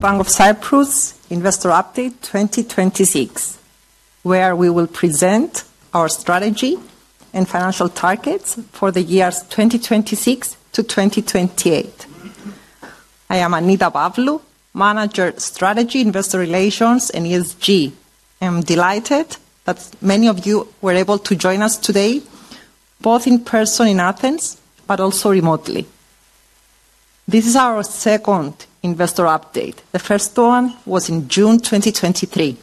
Bank of Cyprus Investor Update 2026, where we will present our strategy and financial targets for the years 2026-2028. I am Annita Pavlou, Manager Strategy, Investor Relations, and ESG. I'm delighted that many of you were able to join us today, both in person in Athens but also remotely. This is our second investor update. The first one was in June 2023.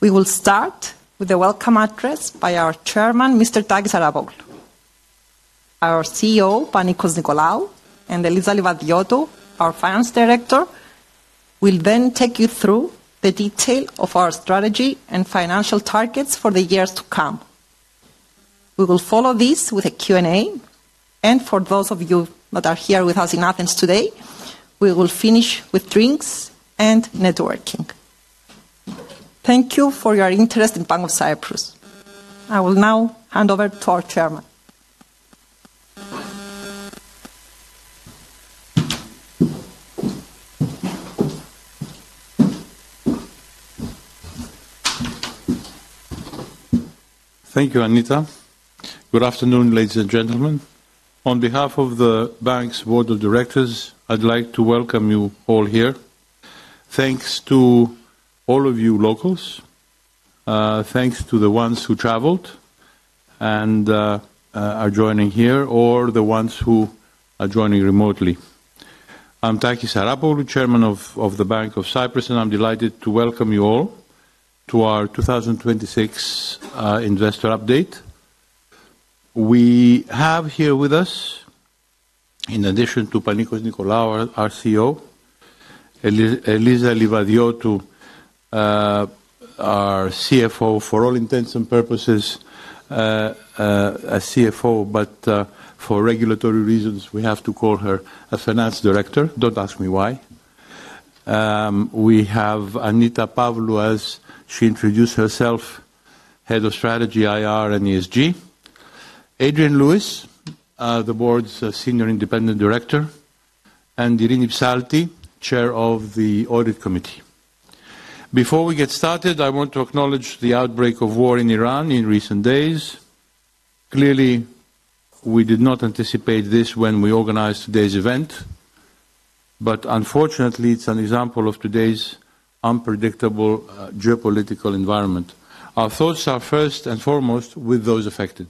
We will start with a welcome address by our Chairman, Mr. Takis Arapoglou. Our CEO, Panicos Nicolaou, and Eliza Livadiotou, our Finance Director, will then take you through the detail of our strategy and financial targets for the years to come. We will follow this with a Q&A. For those of you that are here with us in Athens today, we will finish with drinks and networking. Thank you for your interest in Bank of Cyprus. I will now hand over to our Chairman. Thank you, Annita. Good afternoon, ladies and gentlemen. On behalf of the bank's board of directors, I'd like to welcome you all here. Thanks to all of you locals. Thanks to the ones who traveled and are joining here or the ones who are joining remotely. I'm Takis Arapoglou, chairman of the Bank of Cyprus, and I'm delighted to welcome you all to our 2026 investor update. We have here with us, in addition to Panicos Nicolaou, our CEO, Eliza Livadiotou, our CFO for all intents and purposes, a CFO, but for regulatory reasons, we have to call her a finance director. Don't ask me why. We have Annita Pavlou as she introduced herself, Head of Strategy, IR, and ESG. Adrian Lewis, the board's Senior Independent Director, and Irene Psalti, Chair of the Audit Committee. Before we get started, I want to acknowledge the outbreak of war in Iran in recent days. Clearly, we did not anticipate this when we organized today's event, but unfortunately, it's an example of today's unpredictable, geopolitical environment. Our thoughts are first and foremost with those affected.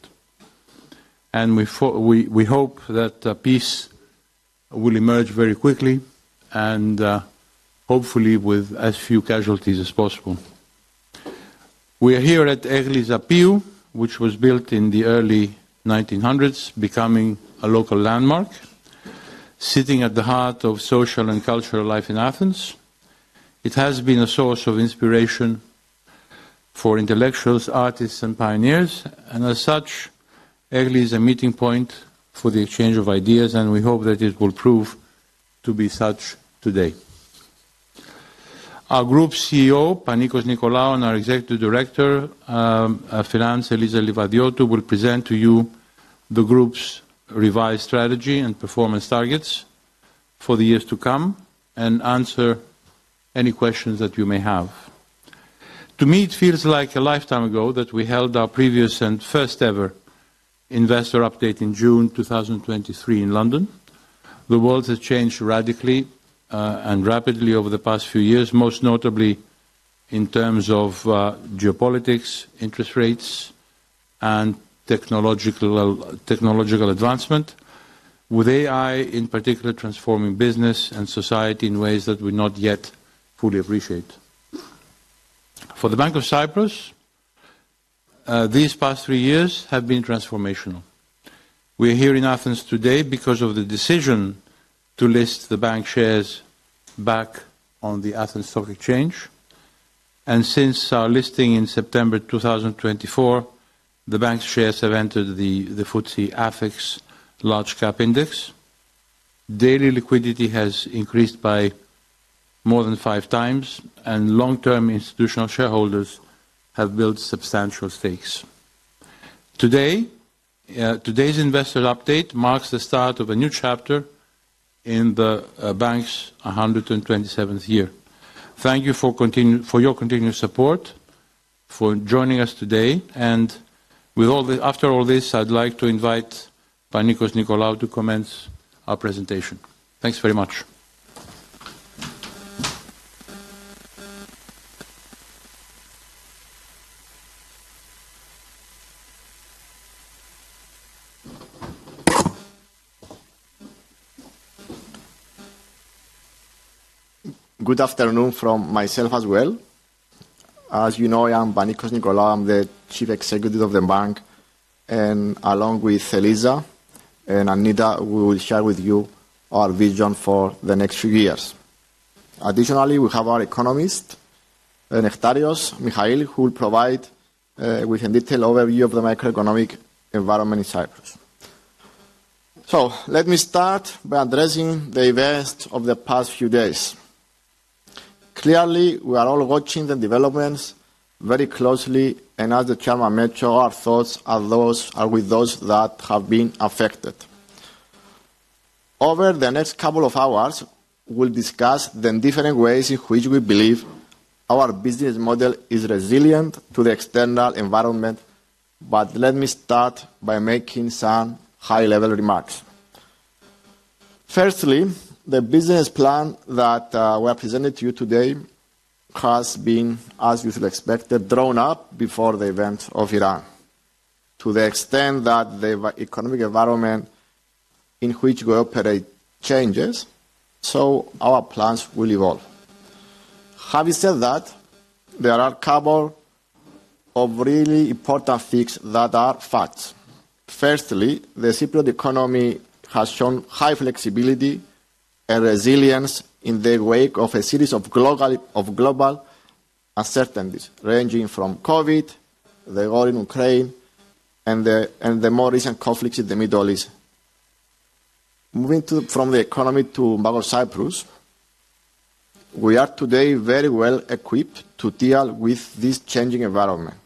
We hope that peace will emerge very quickly and hopefully with as few casualties as possible. We are here at Aigli Zappeiou, which was built in the early nineteen hundreds, becoming a local landmark, sitting at the heart of social and cultural life in Athens. It has been a source of inspiration for intellectuals, artists, and pioneers. As such, Aigli is a meeting point for the exchange of ideas. We hope that it will prove to be such today. Our group CEO, Panicos Nicolaou, and our Executive Director of Finance, Eliza Livadiotou, will present to you the group's revised strategy and performance targets for the years to come and answer any questions that you may have. To me, it feels like a lifetime ago that we held our previous and first-ever investor update in June 2023 in London. The world has changed radically and rapidly over the past few years, most notably in terms of geopolitics, interest rates, and technological advancement with AI, in particular, transforming business and society in ways that we not yet fully appreciate. For the Bank of Cyprus, these past 3 years have been transformational. We're here in Athens today because of the decision to list the bank shares back on the Athens Stock Exchange. Since our listing in September 2024, the Bank shares have entered the FTSE/ATHEX Large Cap Index. Daily liquidity has increased by more than 5 times, and long-term institutional shareholders have built substantial stakes. Today, today's investor update marks the start of a new chapter in the Bank's 127th year. Thank you for your continuous support, for joining us today, and after all this, I'd like to invite Panicos Nicolaou to commence our presentation. Thanks very much. Good afternoon from myself as well. As you know, I am Panicos Nicolaou. I'm the Chief Executive of the bank, and along with Eliza and Annita, we will share with you our vision for the next few years. Additionally, we have our Economist, Nektarios Michail, who will provide with a detailed overview of the macroeconomic environment in Cyprus. Let me start by addressing the events of the past few days. Clearly, we are all watching the developments very closely, and as the Chairman mentioned, our thoughts are with those that have been affected. Over the next couple of hours, we'll discuss the different ways in which we believe our business model is resilient to the external environment. Let me start by making some high-level remarks. Firstly, the business plan that we are presenting to you today has been, as you would expect, drawn up before the event of Iran. To the extent that the economic environment in which we operate changes, our plans will evolve. Having said that, there are a couple of really important things that are facts. Firstly, the Cypriot economy has shown high flexibility and resilience in the wake of a series of global uncertainties ranging from COVID, the war in Ukraine, and the more recent conflicts in the Middle East. Moving from the economy to Bank of Cyprus, we are today very well equipped to deal with this changing environment.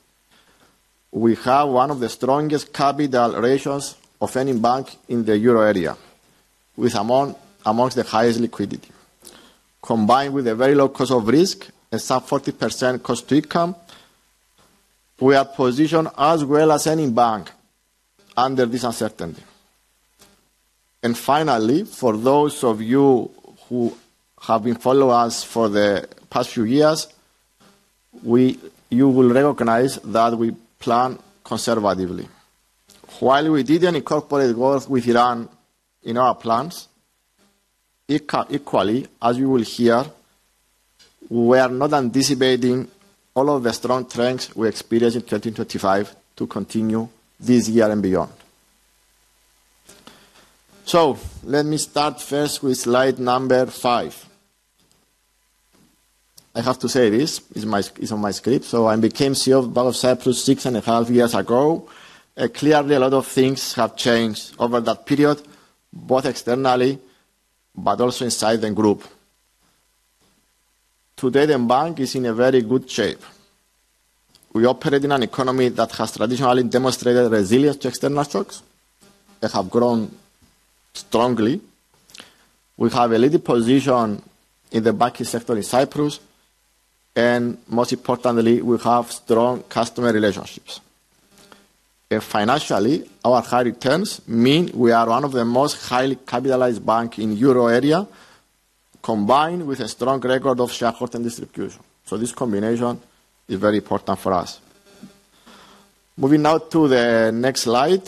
We have one of the strongest capital ratios of any bank in the euro area, with amongst the highest liquidity. Combined with a very low cost of risk and sub 40% cost-to-income, we are positioned as well as any bank under this uncertainty. Finally, for those of you who have been follow us for the past few years, you will recognize that we plan conservatively. While we didn't incorporate war with Iran in our plans, equally, as you will hear, we are not anticipating all of the strong trends we experienced in 2025 to continue this year and beyond. Let me start first with slide number five. I have to say this, it's on my script. I became CEO of Bank of Cyprus 6 and a half years ago. Clearly a lot of things have changed over that period, both externally but also inside the group. Today, the bank is in a very good shape. We operate in an economy that has traditionally demonstrated resilience to external shocks that have grown strongly. We have a leading position in the banking sector in Cyprus, and most importantly, we have strong customer relationships. Financially, our high returns mean we are one of the most highly capitalized bank in euro area, combined with a strong record of shareholder distribution. This combination is very important for us. Moving now to the next slide.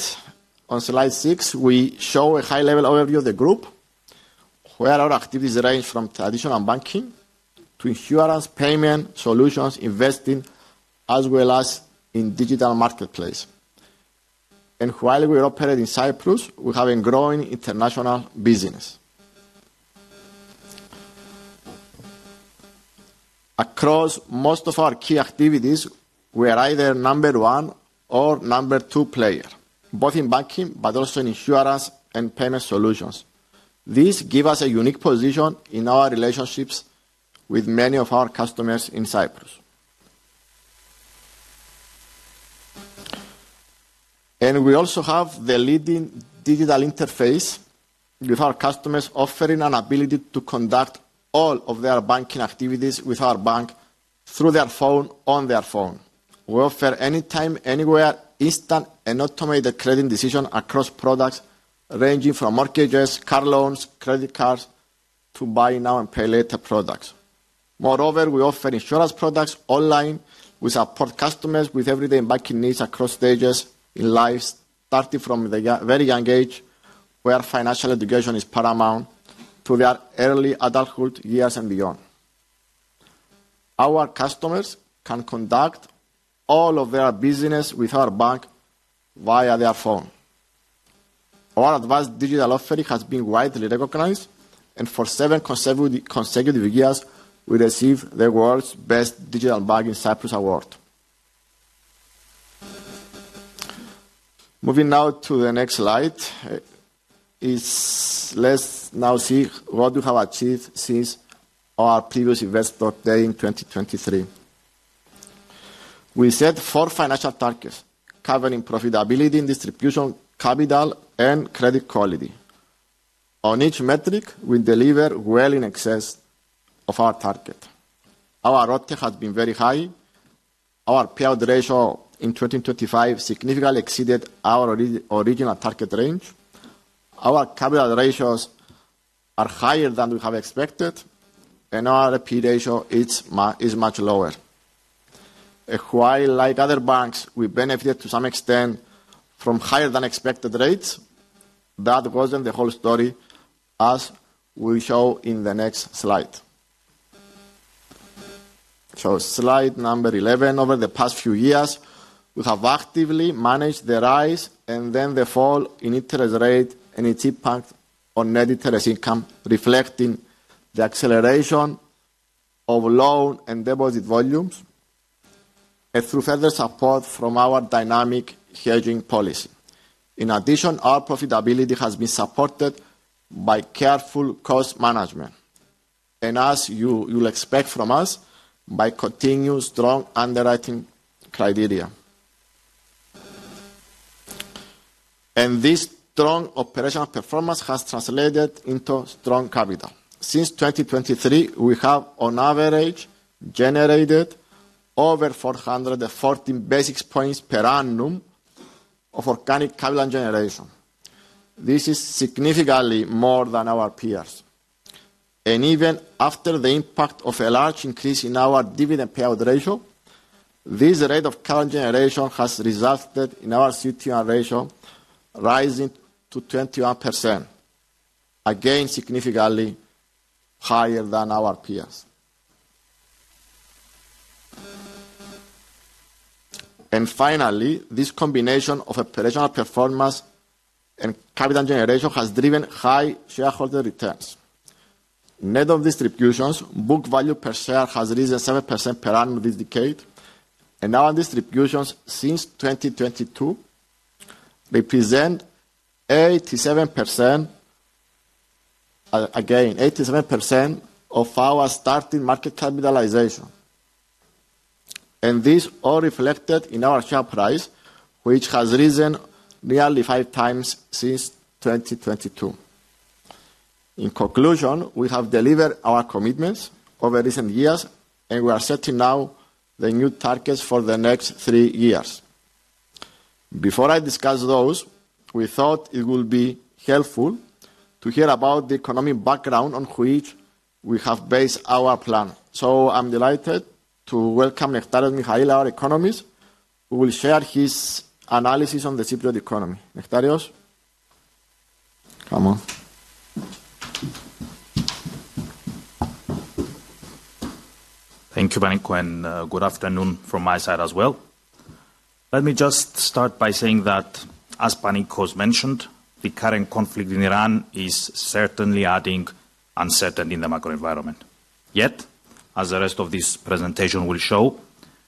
On slide six, we show a high-level overview of the group, where our activities range from traditional banking to insurance, payment solutions, investing, as well as in digital marketplace. While we operate in Cyprus, we have a growing international business. Across most of our key activities, we are either number one or number two player, both in banking but also in insurance and payment solutions. This give us a unique position in our relationships with many of our customers in Cyprus. We also have the leading digital interface with our customers, offering an ability to conduct all of their banking activities with our bank through their phone on their phone. We offer anytime, anywhere, instant and automated credit decision across products ranging from mortgages, car loans, credit cards to buy now and pay later products. We offer insurance products online. We support customers with everyday banking needs across stages in life, starting from the very young age, where financial education is paramount, to their early adulthood years and beyond. Our customers can conduct all of their business with our bank via their phone. Our advanced digital offering has been widely recognized, for seven consecutive years, we received the world's best digital bank in Cyprus award. Moving now to the next slide, let's now see what we have achieved since our previous investor day in 2023. We set 4 financial targets covering profitability and distribution, capital and credit quality. On each metric, we deliver well in excess of our target. Our ROTCE has been very high. Our payout ratio in 2025 significantly exceeded our original target range. Our capital ratios are higher than we have expected, our repeat ratio is much lower. While like other banks, we benefit to some extent from higher than expected rates, that wasn't the whole story as we show in the next slide. Slide number 11. Over the past few years, we have actively managed the rise and then the fall in interest rate and its impact on net interest income, reflecting the acceleration of loan and deposit volumes. Through further support from our dynamic hedging policy. In addition, our profitability has been supported by careful cost management, and as you'll expect from us, by continuous strong underwriting criteria. This strong operational performance has translated into strong capital. Since 2023, we have on average generated over 414 basis points per annum of organic capital generation. This is significantly more than our peers. Even after the impact of a large increase in our dividend payout ratio, this rate of current generation has resulted in our CET1 ratio rising to 21%, again, significantly higher than our peers. Finally, this combination of operational performance and capital generation has driven high shareholder returns. Net of distributions, book value per share has risen 7% per annum this decade, and our distributions since 2022 represent 87%, again, 87% of our starting market capitalization. This all reflected in our share price, which has risen nearly five times since 2022. In conclusion, we have delivered our commitments over recent years, and we are setting now the new targets for the next three years. Before I discuss those, we thought it would be helpful to hear about the economic background on which we have based our plan. I'm delighted to welcome Nektarios Michail, our economist, who will share his analysis on the Cypriot economy. Nektarios, come on. Thank you, Panicos. Good afternoon from my side as well. Let me just start by saying that as Panicos mentioned, the current conflict in Iran is certainly adding uncertainty in the macro environment. As the rest of this presentation will show,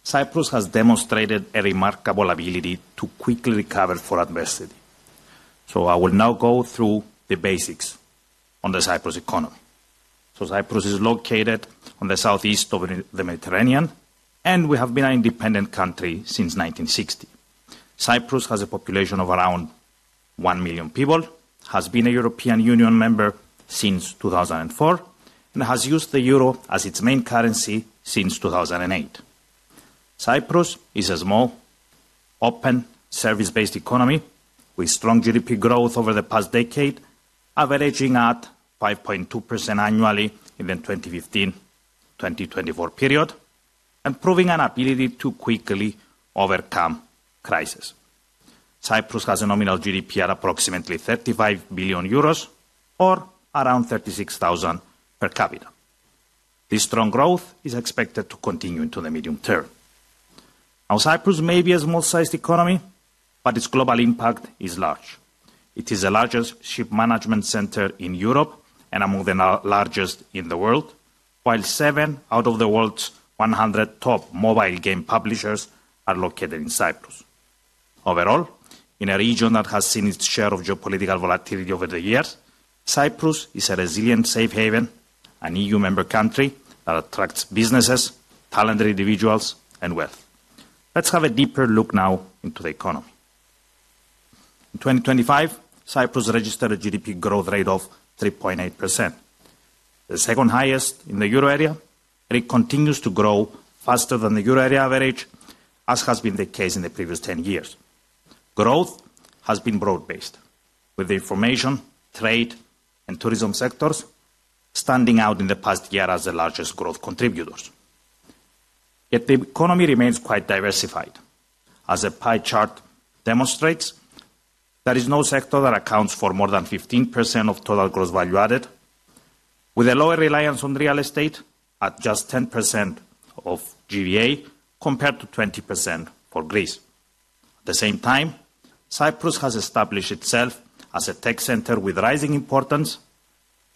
Cyprus has demonstrated a remarkable ability to quickly recover for adversity. I will now go through the basics on the Cyprus economy. Cyprus is located on the southeast of the Mediterranean. We have been an independent country since 1960. Cyprus has a population of around 1 million people, has been a European Union member since 2004, and has used the euro as its main currency since 2008. Cyprus is a small, open, service-based economy with strong GDP growth over the past decade, averaging at 5.2% annually in the 2015-2024 period, and proving an ability to quickly overcome crisis. Cyprus has a nominal GDP at approximately 35 billion euros or around 36,000 per capita. This strong growth is expected to continue into the medium term. Now, Cyprus may be a small-sized economy, but its global impact is large. It is the largest ship management center in Europe and among the largest in the world, while seven out of the world's 100 top mobile game publishers are located in Cyprus. Overall, in a region that has seen its share of geopolitical volatility over the years, Cyprus is a resilient safe haven and EU member country that attracts businesses, talented individuals, and wealth. Let's have a deeper look now into the economy. In 2025, Cyprus registered a GDP growth rate of 3.8%, the second highest in the euro area, and it continues to grow faster than the euro area average, as has been the case in the previous 10 years. Growth has been broad-based, with the information, trade, and tourism sectors standing out in the past year as the largest growth contributors. Yet the economy remains quite diversified. As the pie chart demonstrates, there is no sector that accounts for more than 15% of total gross value added, with a lower reliance on real estate at just 10% of GVA compared to 20% for Greece. At the same time, Cyprus has established itself as a tech center with rising importance,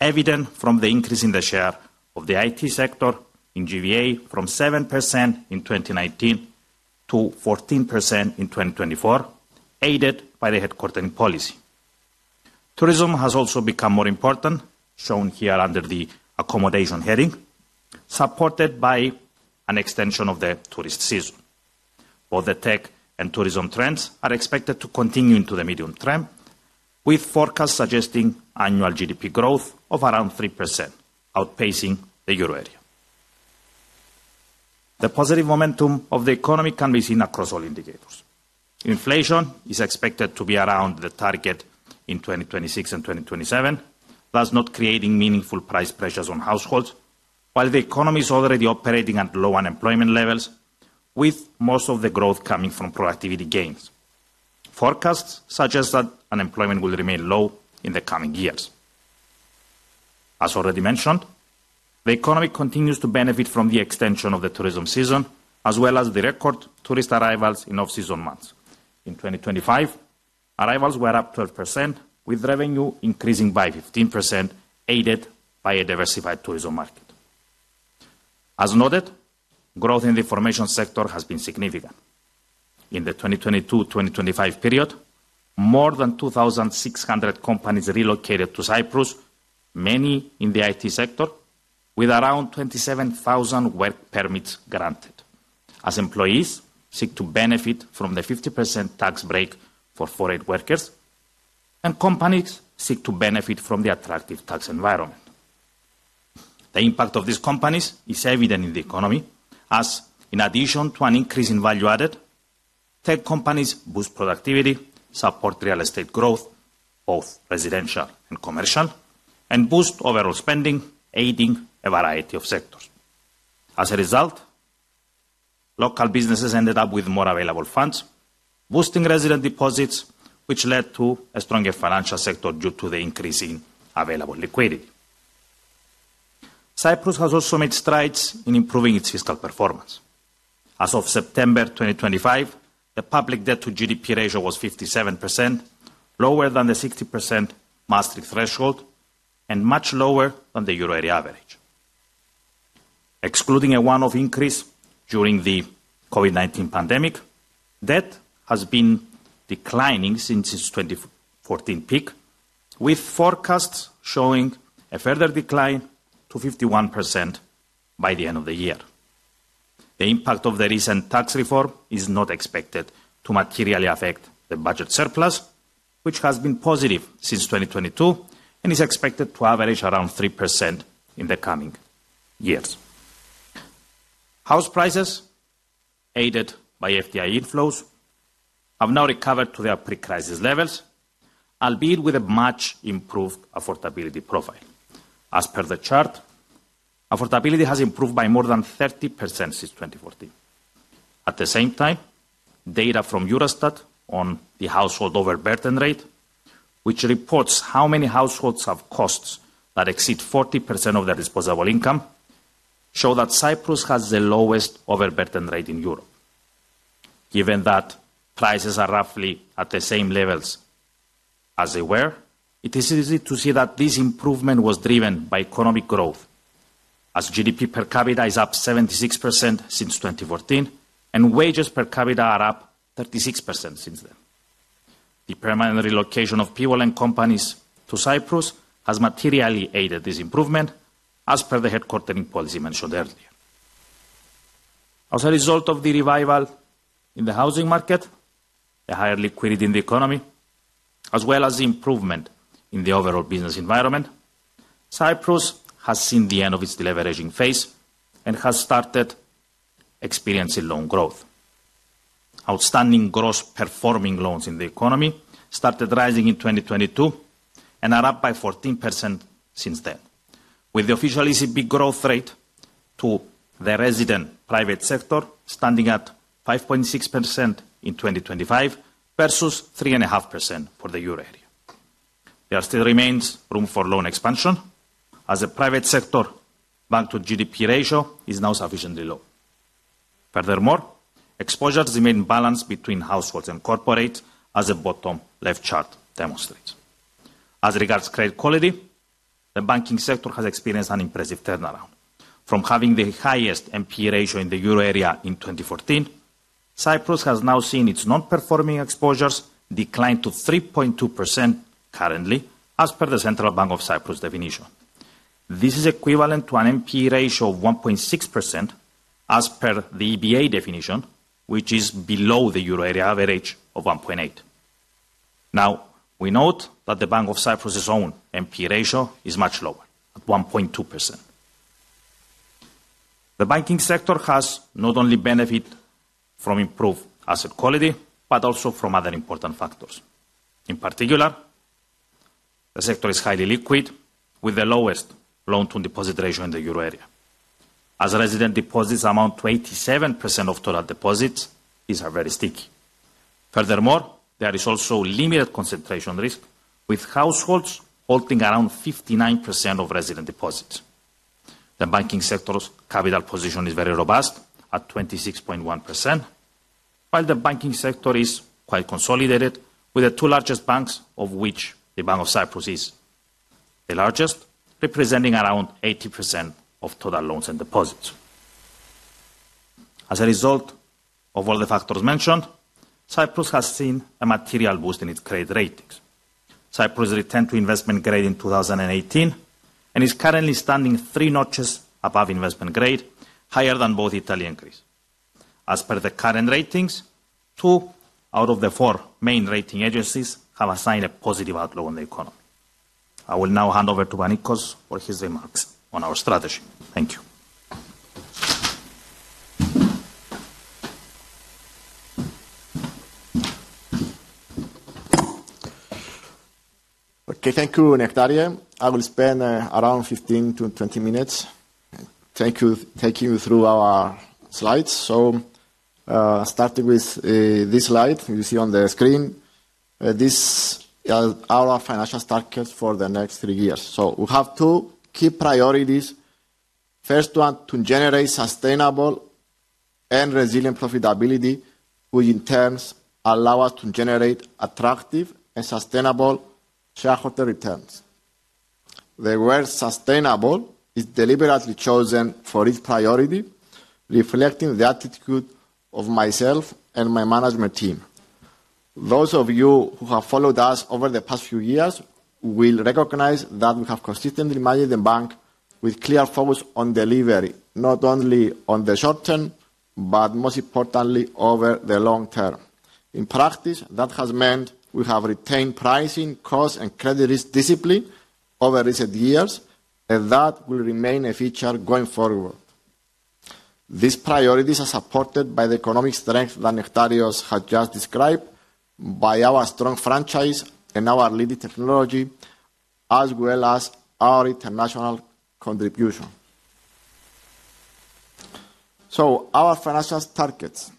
evident from the increase in the share of the IT sector in GVA from 7% in 2019 to 14% in 2024, aided by the headquartering policy. Tourism has also become more important, shown here under the accommodation heading, supported by an extension of the tourist season. Both the tech and tourism trends are expected to continue into the medium term, with forecasts suggesting annual GDP growth of around 3%, outpacing the euro area. The positive momentum of the economy can be seen across all indicators. Inflation is expected to be around the target in 2026 and 2027, thus not creating meaningful price pressures on households, while the economy is already operating at low unemployment levels, with most of the growth coming from productivity gains. Forecasts suggest that unemployment will remain low in the coming years. As already mentioned, the economy continues to benefit from the extension of the tourism season, as well as the record tourist arrivals in off-season months. In 2025. Arrivals were up 12% with revenue increasing by 15% aided by a diversified tourism market. As noted, growth in the information sector has been significant. In the 2022-2025 period, more than 2,600 companies relocated to Cyprus, many in the IT sector, with around 27,000 work permits granted as employees seek to benefit from the 50% tax break for foreign workers and companies seek to benefit from the attractive tax environment. The impact of these companies is evident in the economy as in addition to an increase in value added, tech companies boost productivity, support real estate growth, both residential and commercial, and boost overall spending, aiding a variety of sectors. As a result, local businesses ended up with more available funds, boosting resident deposits, which led to a stronger financial sector due to the increase in available liquidity. Cyprus has also made strides in improving its fiscal performance. As of September 2025, the public debt to GDP ratio was 57%, lower than the 60% Maastricht threshold and much lower than the euro area average. Excluding a one-off increase during the COVID-19 pandemic, debt has been declining since its 2014 peak, with forecasts showing a further decline to 51% by the end of the year. The impact of the recent tax reform is not expected to materially affect the budget surplus, which has been positive since 2022 and is expected to average around 3% in the coming years. House prices, aided by FDI inflows, have now recovered to their pre-crisis levels, albeit with a much improved affordability profile. As per the chart, affordability has improved by more than 30% since 2014. At the same time, data from Eurostat on the household overburden rate, which reports how many households have costs that exceed 40% of their disposable income, show that Cyprus has the lowest overburden rate in Europe. Given that prices are roughly at the same levels as they were, it is easy to see that this improvement was driven by economic growth as GDP per capita is up 76% since 2014 and wages per capita are up 36% since then. The permanent relocation of people and companies to Cyprus has materially aided this improvement as per the headquartering policy mentioned earlier. As a result of the revival in the housing market, the higher liquidity in the economy, as well as the improvement in the overall business environment, Cyprus has seen the end of its deleveraging phase and has started experiencing loan growth. Outstanding gross-performing loans in the economy started rising in 2022 and are up by 14% since then. With the official ECB growth rate to the resident private sector standing at 5.6% in 2025 versus 3.5% for the euro area. There still remains room for loan expansion as the private sector bank to GDP ratio is now sufficiently low. Furthermore, exposures remain balanced between households and corporate as the bottom left chart demonstrates. As regards credit quality, the banking sector has experienced an impressive turnaround. From having the highest NPE ratio in the euro area in 2014, Cyprus has now seen its non-performing exposures decline to 3.2% currently as per the Central Bank of Cyprus definition. This is equivalent to an NPE ratio of 1.6% as per the EBA definition, which is below the euro area average of 1.8%. We note that the Bank of Cyprus's own NPE ratio is much lower at 1.2%. The banking sector has not only benefit from improved asset quality, but also from other important factors. In particular, the sector is highly liquid with the lowest loan-to-deposit ratio in the euro area. As resident deposits amount to 87% of total deposits, these are very sticky. Furthermore, there is also limited concentration risk, with households holding around 59% of resident deposits. The banking sector's capital position is very robust at 26.1%, while the banking sector is quite consolidated with the 2 largest banks of which the Bank of Cyprus is the largest, representing around 80% of total loans and deposits. As a result of all the factors mentioned, Cyprus has seen a material boost in its credit ratings. Cyprus returned to investment grade in 2018 and is currently standing three notches above investment grade, higher than both Italy and Greece. As per the current ratings, 2 out of the 4 main rating agencies have assigned a positive outlook on the economy. I will now hand over to Panicos for his remarks on our strategy. Thank you. Okay. Thank you, Nektarios. I will spend around 15 to 20 minutes taking you through our slides. Starting with this slide you see on the screen, this is our financial targets for the next three years. We have two key priorities. First one, to generate sustainable and resilient profitability, which in turn allow us to generate attractive and sustainable shareholder returns. The word sustainable is deliberately chosen for its priority, reflecting the attitude of myself and my management team. Those of you who have followed us over the past few years will recognize that we have consistently managed the Bank with clear focus on delivery, not only on the short term, but most importantly over the long term. In practice, that has meant we have retained pricing, cost, and credit risk discipline over recent years, and that will remain a feature going forward. These priorities are supported by the economic strength that Nektarios has just described, by our strong franchise and our leading technology, as well as our international contribution. Our financial targets.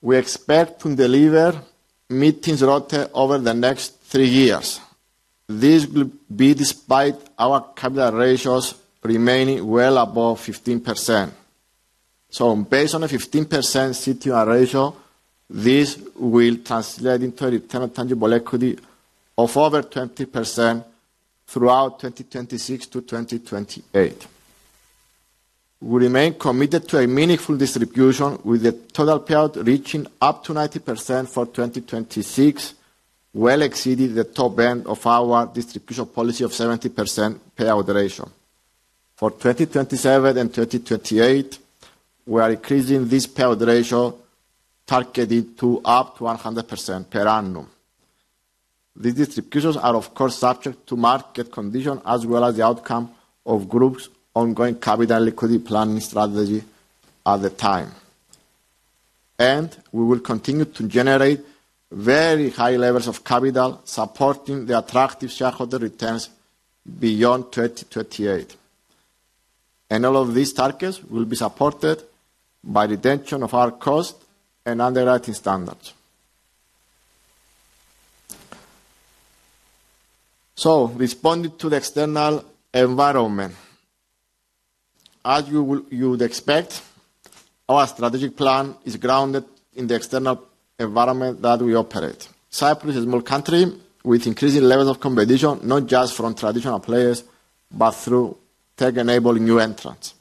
We expect to deliver mid-teens ROTCE over the next three years. This will be despite our capital ratios remaining well above 15%. Based on a 15% CET1 ratio, this will translate into return on tangible equity of over 20% throughout 2026-2028. We remain committed to a meaningful distribution with the total payout reaching up to 90% for 2026, well exceeding the top end of our distribution policy of 70% payout ratio. For 2027 and 2028, we are increasing this payout ratio targeted to up to 100% per annum. The distributions are of course subject to market condition as well as the outcome of group's ongoing capital liquidity planning strategy at the time. We will continue to generate very high levels of capital supporting the attractive shareholder returns beyond 2028. All of these targets will be supported by retention of our cost and underwriting standards. Responding to the external environment. As you would expect, our strategic plan is grounded in the external environment that we operate. Cyprus is a small country with increasing levels of competition, not just from traditional players, but through tech-enabled new entrants.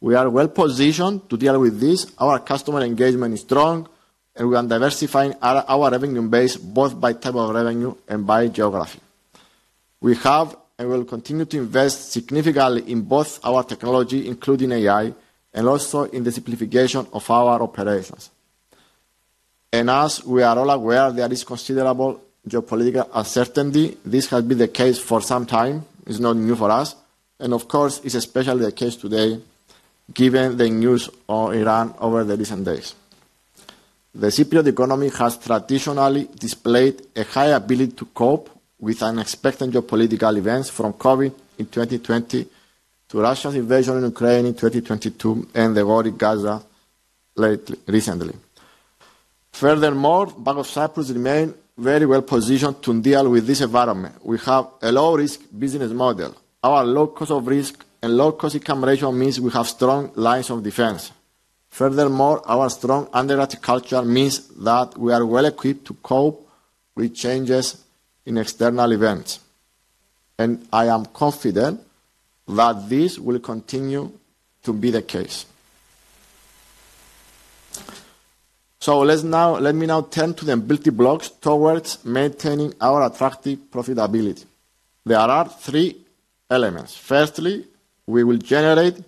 We are well-positioned to deal with this. Our customer engagement is strong, and we are diversifying our revenue base, both by type of revenue and by geography. We have and will continue to invest significantly in both our technology, including AI, and also in the simplification of our operations. As we are all aware, there is considerable geopolitical uncertainty. This has been the case for some time. It's not new for us. Of course, it's especially the case today given the news on Iran over the recent days. The Cypriot economy has traditionally displayed a high ability to cope with unexpected geopolitical events from COVID in 2020 to Russia's invasion in Ukraine in 2022 and the war in Gaza recently. Furthermore, Bank of Cyprus remain very well positioned to deal with this environment. We have a low-risk business model. Our low cost of risk and low cost-to-income ratio means we have strong lines of defense. Furthermore, our strong underrated culture means that we are well equipped to cope with changes in external events. I am confident that this will continue to be the case. Let me now turn to the building blocks towards maintaining our attractive profitability. There are 3 elements. Firstly, we will generate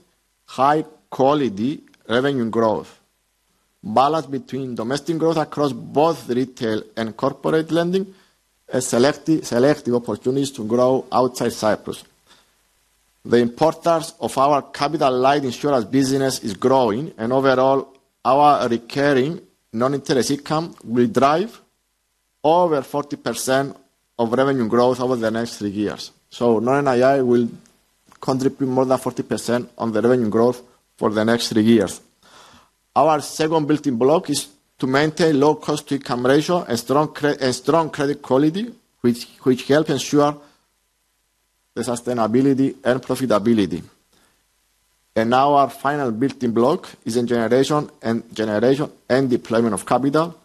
high-quality revenue growth, balance between domestic growth across both retail and corporate lending, and selective opportunities to grow outside Cyprus. The importance of our capital light insurance business is growing and overall, our recurring non-interest income will drive over 40% of revenue growth over the next three years. Non-II will contribute more than 40% on the revenue growth for the next three years. Our second building block is to maintain low cost-to-income ratio and strong credit quality, which help ensure the sustainability and profitability. Our final building block is in generation and deployment of capital.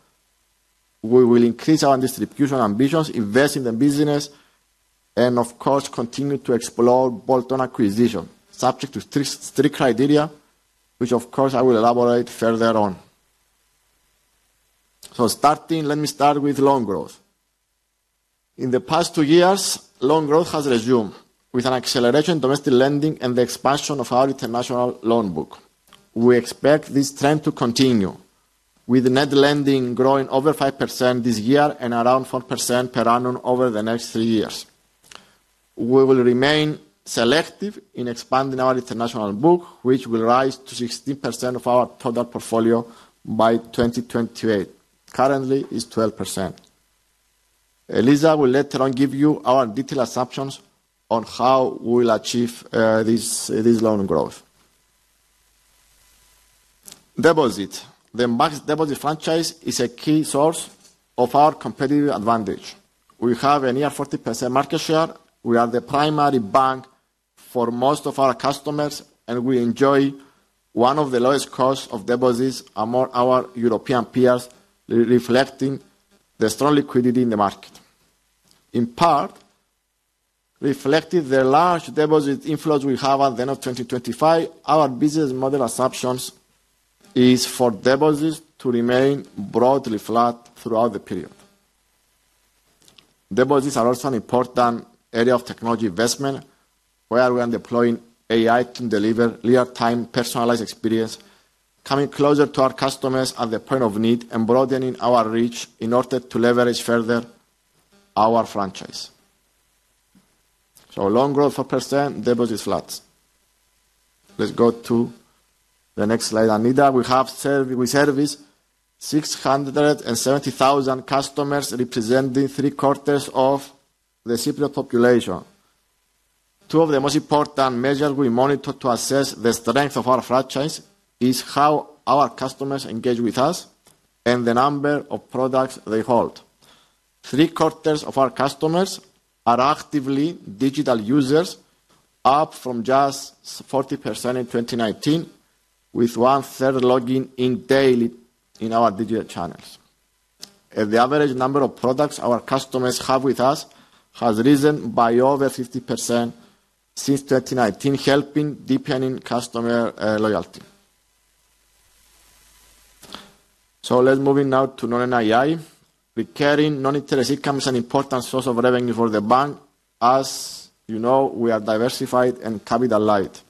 We will increase our distribution ambitions, invest in the business, and of course, continue to explore bolt-on acquisition, subject to three criteria, which of course, I will elaborate further on. Starting, let me start with loan growth. In the past two years, loan growth has resumed with an acceleration domestic lending and the expansion of our international loan book. We expect this trend to continue with net lending growing over 5% this year and around 4% per annum over the next three years. We will remain selective in expanding our international book, which will rise to 16% of our total portfolio by 2028. Currently, it's 12%. Eliza will later on give you our detailed assumptions on how we will achieve this loan growth. Deposit. The bank's deposit franchise is a key source of our competitive advantage. We have a near 40% market share. We are the primary bank for most of our customers. We enjoy one of the lowest costs of deposits among our European peers, reflecting the strong liquidity in the market. In part, reflecting the large deposit inflows we have at the end of 2025, our business model assumptions is for deposits to remain broadly flat throughout the period. Deposits are also an important area of technology investment, where we are deploying AI to deliver real-time, personalized experience, coming closer to our customers at the point of need and broadening our reach in order to leverage further our franchise. Loan growth 4%, deposits flat. Let's go to the next slide, Annita. We service 670,000 customers, representing three-quarters of the Cypriot population. Two of the most important measures we monitor to assess the strength of our franchise is how our customers engage with us and the number of products they hold. Three-quarters of our customers are actively digital users, up from just 40% in 2019, with one-third logging in daily in our digital channels. The average number of products our customers have with us has risen by over 50% since 2019, helping deepening customer loyalty. Let's moving now to non-NII. Recurring non-interest income is an important source of revenue for the bank. As you know, we are diversified and capital light.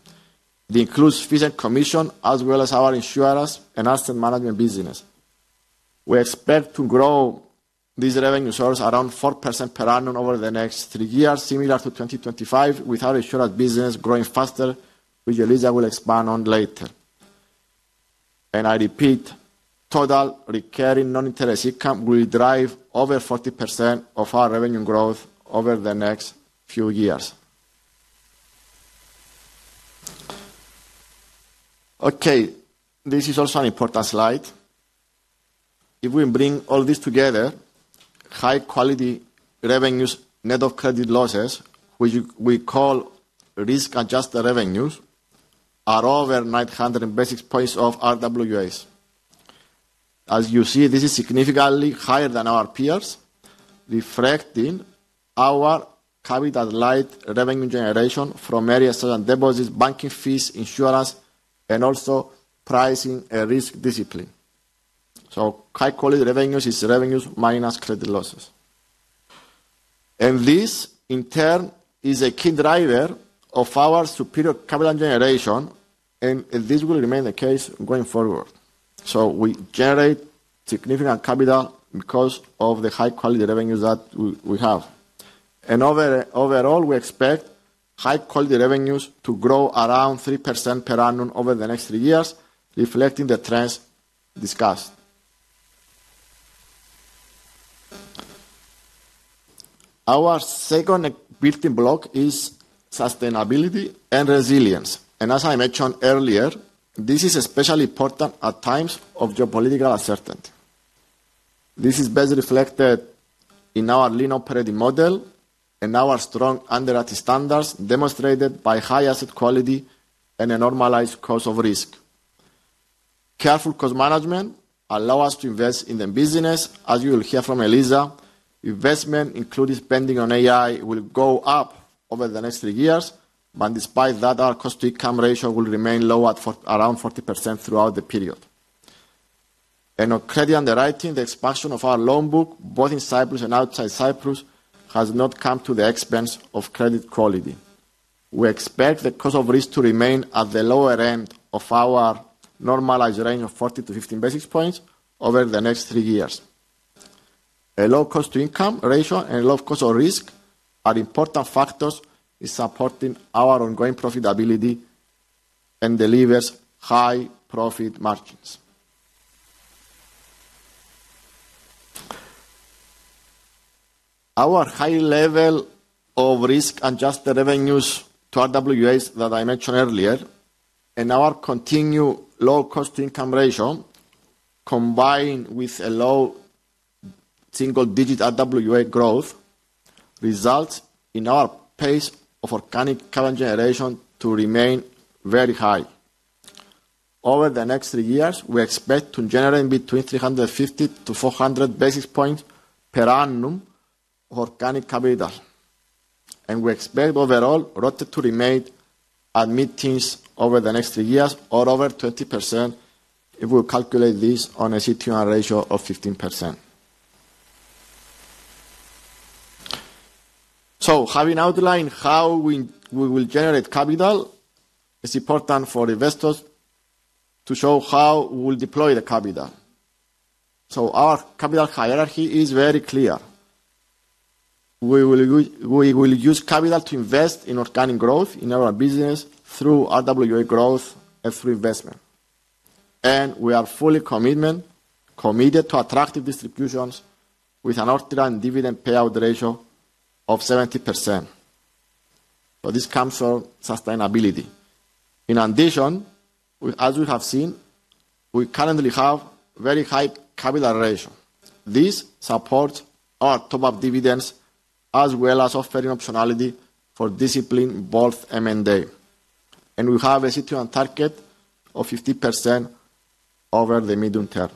It includes fee and commission, as well as our insurance and asset management business. We expect to grow this revenue source around 4% per annum over the next three years, similar to 2025, with our insurance business growing faster, which Eliza will expand on later. I repeat, total recurring non-interest income will drive over 40% of our revenue growth over the next few years. Okay, this is also an important slide. If we bring all this together, high quality revenues, net of credit losses, which we call risk-adjusted revenues, are over 900 basis points of RWAs. As you see, this is significantly higher than our peers, reflecting our capital light revenue generation from areas such as deposits, banking fees, insurance, and also pricing and risk discipline. High quality revenues is revenues minus credit losses. This, in turn, is a key driver of our superior capital generation, and this will remain the case going forward. We generate significant capital because of the high quality revenues that we have. Overall, we expect high quality revenues to grow around 3% per annum over the next 3 years, reflecting the trends discussed. Our second building block is sustainability and resilience. As I mentioned earlier, this is especially important at times of geopolitical uncertainty. This is best reflected in our lean operating model and our strong underrated standards, demonstrated by high asset quality and a normalized cost of risk. Careful cost management allow us to invest in the business. As you will hear from Eliza, investment, including spending on AI, will go up over the next 3 years. Despite that, our cost-to-income ratio will remain low at around 40% throughout the period. On credit underwriting, the expansion of our loan book, both in Cyprus and outside Cyprus, has not come to the expense of credit quality. We expect the cost of risk to remain at the lower end of our normalized range of 40-50 basis points over the next three years. A low cost-to-income ratio and low cost of risk are important factors in supporting our ongoing profitability and delivers high profit margins. Our high level of risk-adjusted revenues to RWAs that I mentioned earlier and our continued low cost-to-income ratio, combined with a low single-digit RWA growth, results in our pace of organic capital generation to remain very high. Over the next three years, we expect to generate between 350-400 basis points per annum of organic capital. We expect overall ROTCE to remain at mid-teens over the next 3 years or over 20% if we calculate this on a CET1 ratio of 15%. Having outlined how we will generate capital, it's important for investors to show how we'll deploy the capital. Our capital hierarchy is very clear. We will use capital to invest in organic growth in our business through RWA growth and through investment. We are fully committed to attractive distributions with an outright dividend payout ratio of 70%. This comes from sustainability. In addition, as we have seen, we currently have very high capital ratio. This supports our top-up dividends as well as offering optionality for discipline both M&A. We have a CTR target of 50% over the medium term.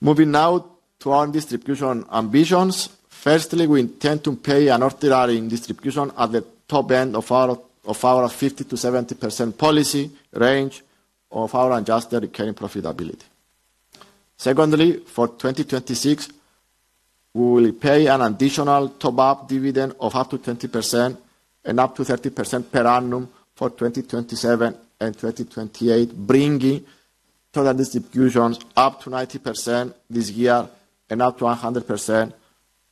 Moving now to our distribution ambitions. Firstly, we intend to pay an ordinary distribution at the top end of our 50%-70% policy range of our adjusted recurring profitability. Secondly, for 2026, we will pay an additional top-up dividend of up to 20% and up to 30% per annum for 2027 and 2028, bringing total distributions up to 90% this year and up to 100%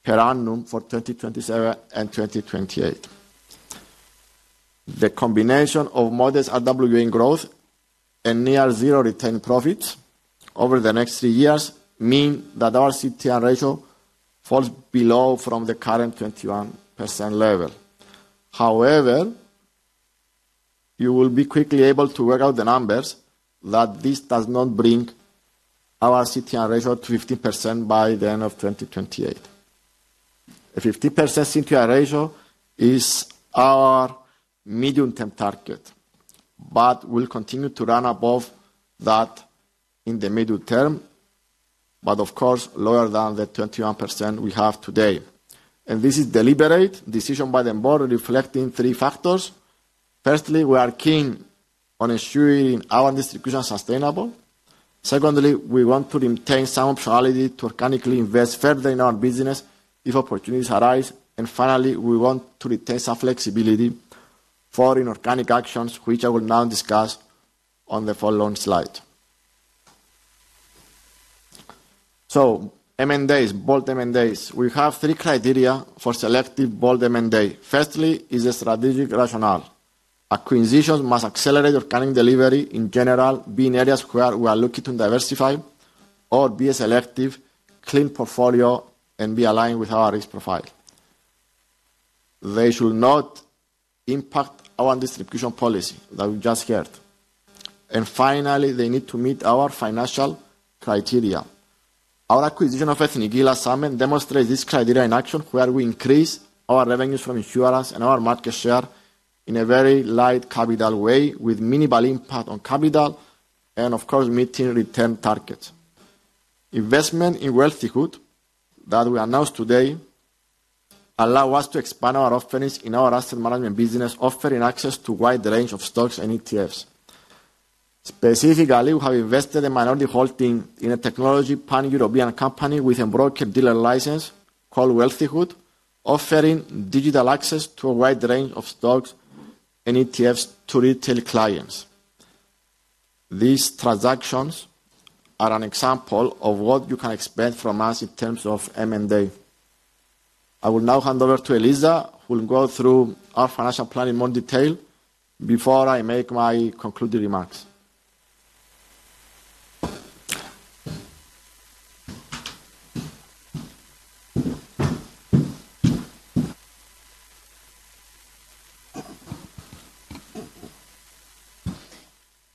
per annum for 2027 and 2028. The combination of modest RWA growth and near zero retained profits over the next three years mean that our CET1 ratio falls below from the current 21% level. You will be quickly able to work out the numbers that this does not bring our CET1 ratio to 50% by the end of 2028. A 50% CET1 ratio is our medium-term target, we'll continue to run above that in the medium term, but of course, lower than the 21% we have today. This is deliberate decision by the board reflecting three factors. Firstly, we are keen on ensuring our distribution sustainable. Secondly, we want to maintain some optionality to organically invest further in our business if opportunities arise. Finally, we want to retain some flexibility for inorganic actions, which I will now discuss on the following slide. Both M&As. We have three criteria for selective bold M&A. Firstly is a strategic rationale. Acquisitions must accelerate organic delivery, in general, be in areas where we are looking to diversify or be a selective clean portfolio and be aligned with our risk profile. They should not impact our distribution policy that we just heard. Finally, they need to meet our financial criteria. Our acquisition of Ethniki Insurance demonstrates this criteria in action, where we increase our revenues from insurers and our market share in a very light capital way, with minimal impact on capital and of course, meeting return targets. Investment in Wealthyhood that we announced today allow us to expand our offerings in our asset management business, offering access to wide range of stocks and ETFs. Specifically, we have invested a minority holding in a technology pan-European company with a broker-dealer license called Wealthyhood, offering digital access to a wide range of stocks and ETFs to retail clients. These transactions are an example of what you can expect from us in terms of M&A. I will now hand over to Eliza, who will go through our financial plan in more detail before I make my concluding remarks.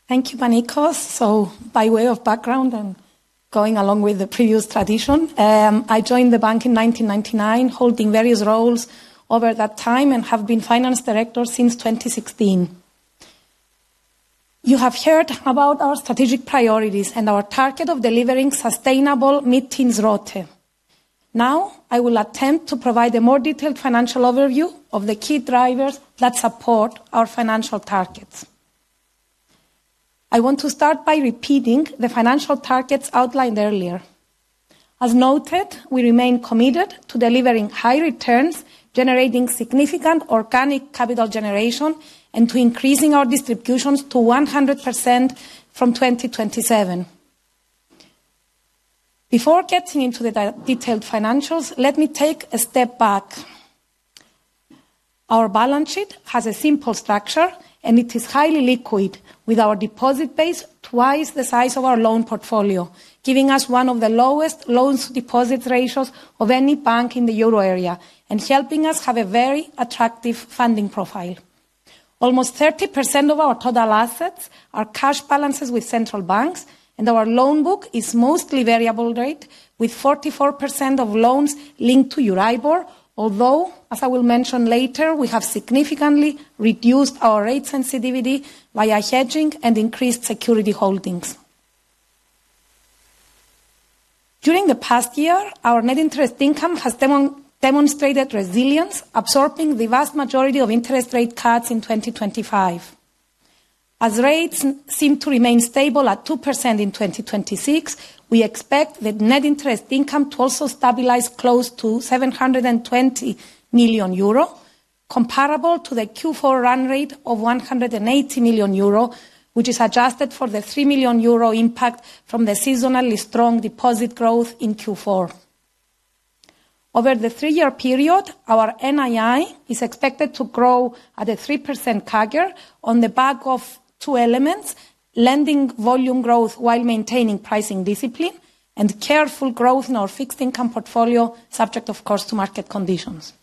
Thank you, Panicos. By way of background and going along with the previous tradition, I joined the bank in 1999, holding various roles over that time and have been finance director since 2016. You have heard about our strategic priorities and our target of delivering sustainable mid-teens ROTCE. Now, I will attempt to provide a more detailed financial overview of the key drivers that support our financial targets. I want to start by repeating the financial targets outlined earlier. As noted, we remain committed to delivering high returns, generating significant organic capital generation, and to increasing our distributions to 100% from 2027. Before getting into the detailed financials, let me take a step back. Our balance sheet has a simple structure, and it is highly liquid, with our deposit base twice the size of our loan portfolio, giving us one of the lowest loans to deposit ratios of any bank in the euro area and helping us have a very attractive funding profile. Almost 30% of our total assets are cash balances with central banks, and our loan book is mostly variable rate, with 44% of loans linked to EURIBOR, although, as I will mention later, we have significantly reduced our rate sensitivity via hedging and increased security holdings. During the past year, our net interest income has demonstrated resilience, absorbing the vast majority of interest rate cuts in 2025. As rates seem to remain stable at 2% in 2026, we expect the net interest income to also stabilize close to 720 million euro, comparable to the Q4 run rate of 180 million euro, which is adjusted for the 3 million euro impact from the seasonally strong deposit growth in Q4. Over the three-year period, our NII is expected to grow at a 3% CAGR on the back of two elements, lending volume growth while maintaining pricing discipline and careful growth in our fixed income portfolio, subject of course to market conditions.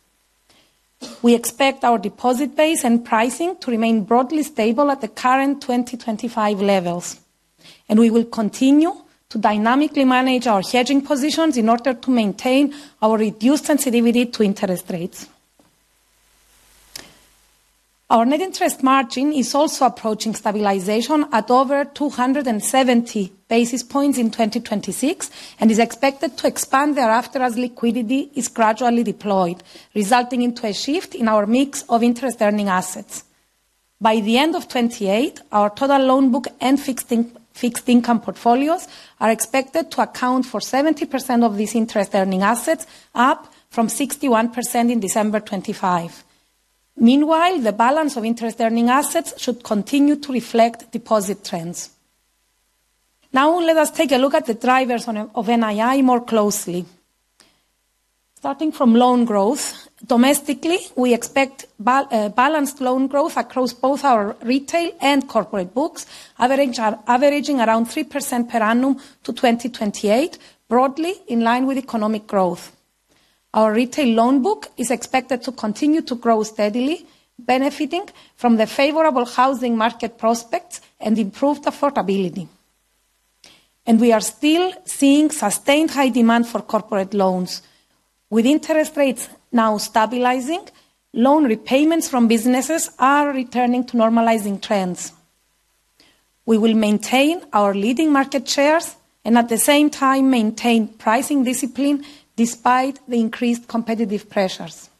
We expect our deposit base and pricing to remain broadly stable at the current 2025 levels, and we will continue to dynamically manage our hedging positions in order to maintain our reduced sensitivity to interest rates. Our net interest margin is also approaching stabilization at over 270 basis points in 2026, and is expected to expand thereafter as liquidity is gradually deployed, resulting into a shift in our mix of interest earning assets. By the end of 2028, our total loan book and fixed income portfolios are expected to account for 70% of this interest earning assets, up from 61% in December 2025. Meanwhile, the balance of interest earning assets should continue to reflect deposit trends. Let us take a look at the drivers of NII more closely. Starting from loan growth, domestically, we expect balanced loan growth across both our retail and corporate books, averaging around 3% per annum to 2028, broadly in line with economic growth. Our retail loan book is expected to continue to grow steadily, benefiting from the favorable housing market prospects and improved affordability. We are still seeing sustained high demand for corporate loans. With interest rates now stabilizing, loan repayments from businesses are returning to normalizing trends. We will maintain our leading market shares and at the same time maintain pricing discipline despite the increased competitive pressures.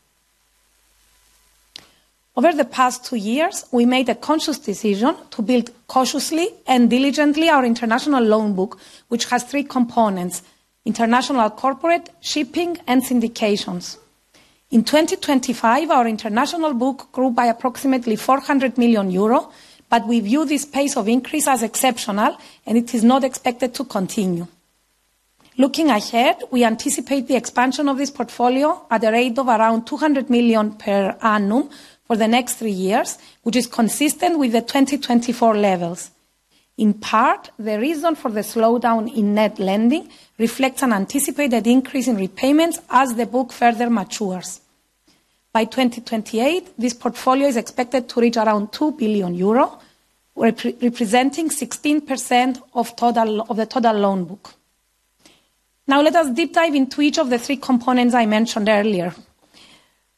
Over the past two years, we made a conscious decision to build cautiously and diligently our international loan book, which has three components: international corporate, shipping, and syndications. In 2025, our international book grew by approximately 400 million euro, but we view this pace of increase as exceptional and it is not expected to continue. Looking ahead, we anticipate the expansion of this portfolio at a rate of around 200 million per annum for the next 3 years, which is consistent with the 2024 levels. In part, the reason for the slowdown in net lending reflects an anticipated increase in repayments as the book further matures. By 2028, this portfolio is expected to reach around 2 billion euro, representing 16% of the total loan book. Let us deep dive into each of the 3 components I mentioned earlier.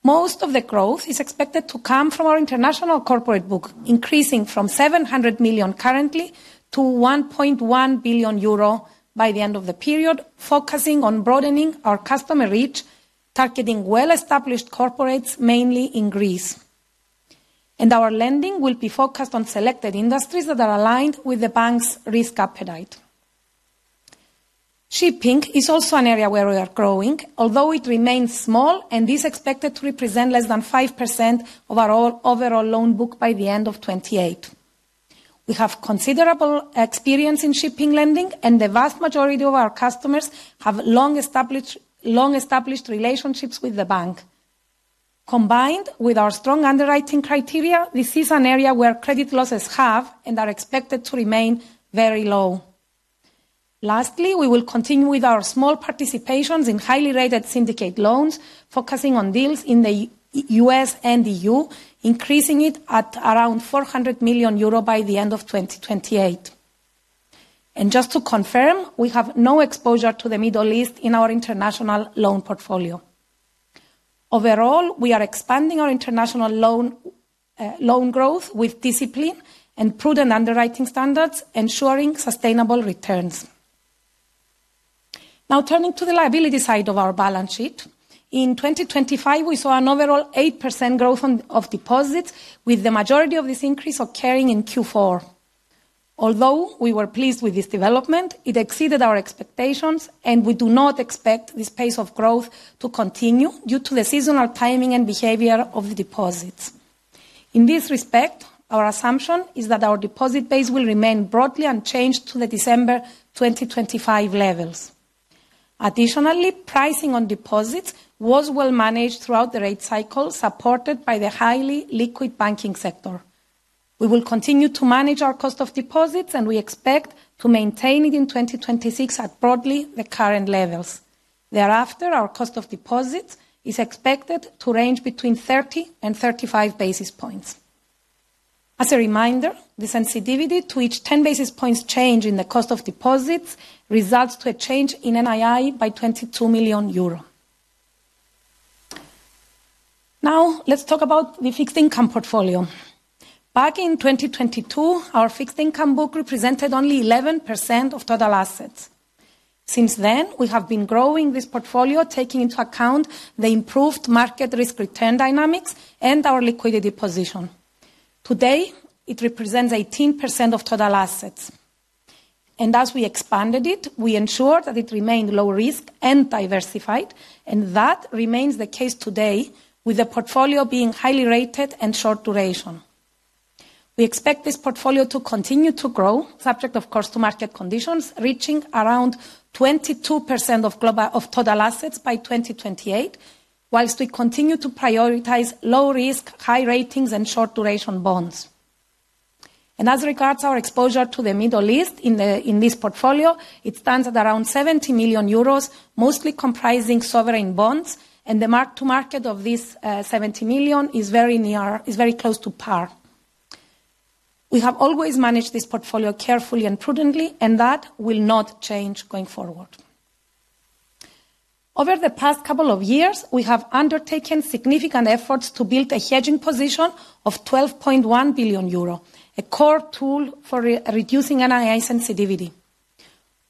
Most of the growth is expected to come from our international corporate book, increasing from 700 million currently to 1.1 billion euro by the end of the period, focusing on broadening our customer reach, targeting well-established corporates, mainly in Greece. Our lending will be focused on selected industries that are aligned with the bank's risk appetite. Shipping is also an area where we are growing, although it remains small and is expected to represent less than 5% of our overall loan book by the end of 2028. We have considerable experience in shipping lending, and the vast majority of our customers have long established relationships with the Bank. Combined with our strong underwriting criteria, this is an area where credit losses have and are expected to remain very low. Lastly, we will continue with our small participations in highly rated syndicate loans, focusing on deals in the U.S. and EU, increasing it at around 400 million euro by the end of 2028. Just to confirm, we have no exposure to the Middle East in our international loan portfolio. Overall, we are expanding our international loan growth with discipline and prudent underwriting standards, ensuring sustainable returns. Turning to the liability side of our balance sheet. In 2025, we saw an overall 8% growth of deposits, with the majority of this increase occurring in Q4. Although we were pleased with this development, it exceeded our expectations, and we do not expect this pace of growth to continue due to the seasonal timing and behavior of the deposits. In this respect, our assumption is that our deposit base will remain broadly unchanged to the December 2025 levels. Additionally, pricing on deposits was well managed throughout the rate cycle, supported by the highly liquid banking sector. We will continue to manage our cost of deposits, and we expect to maintain it in 2026 at broadly the current levels. Thereafter, our cost of deposits is expected to range between 30 and 35 basis points. As a reminder, the sensitivity to each 10 basis points change in the cost of deposits results to a change in NII by 22 million euro. Let's talk about the fixed income portfolio. Back in 2022, our fixed income book represented only 11% of total assets. Since then, we have been growing this portfolio, taking into account the improved market risk return dynamics and our liquidity position. Today, it represents 18% of total assets. As we expanded it, we ensured that it remained low risk and diversified, and that remains the case today with the portfolio being highly rated and short duration. We expect this portfolio to continue to grow, subject of course to market conditions, reaching around 22% of total assets by 2028, whilst we continue to prioritize low risk, high ratings, and short duration bonds. As regards our exposure to the Middle East in this portfolio, it stands at around 70 million euros, mostly comprising sovereign bonds, and the mark to market of this 70 million is very close to par. We have always managed this portfolio carefully and prudently, and that will not change going forward. Over the past couple of years, we have undertaken significant efforts to build a hedging position of 12.1 billion euro, a core tool for reducing NII sensitivity.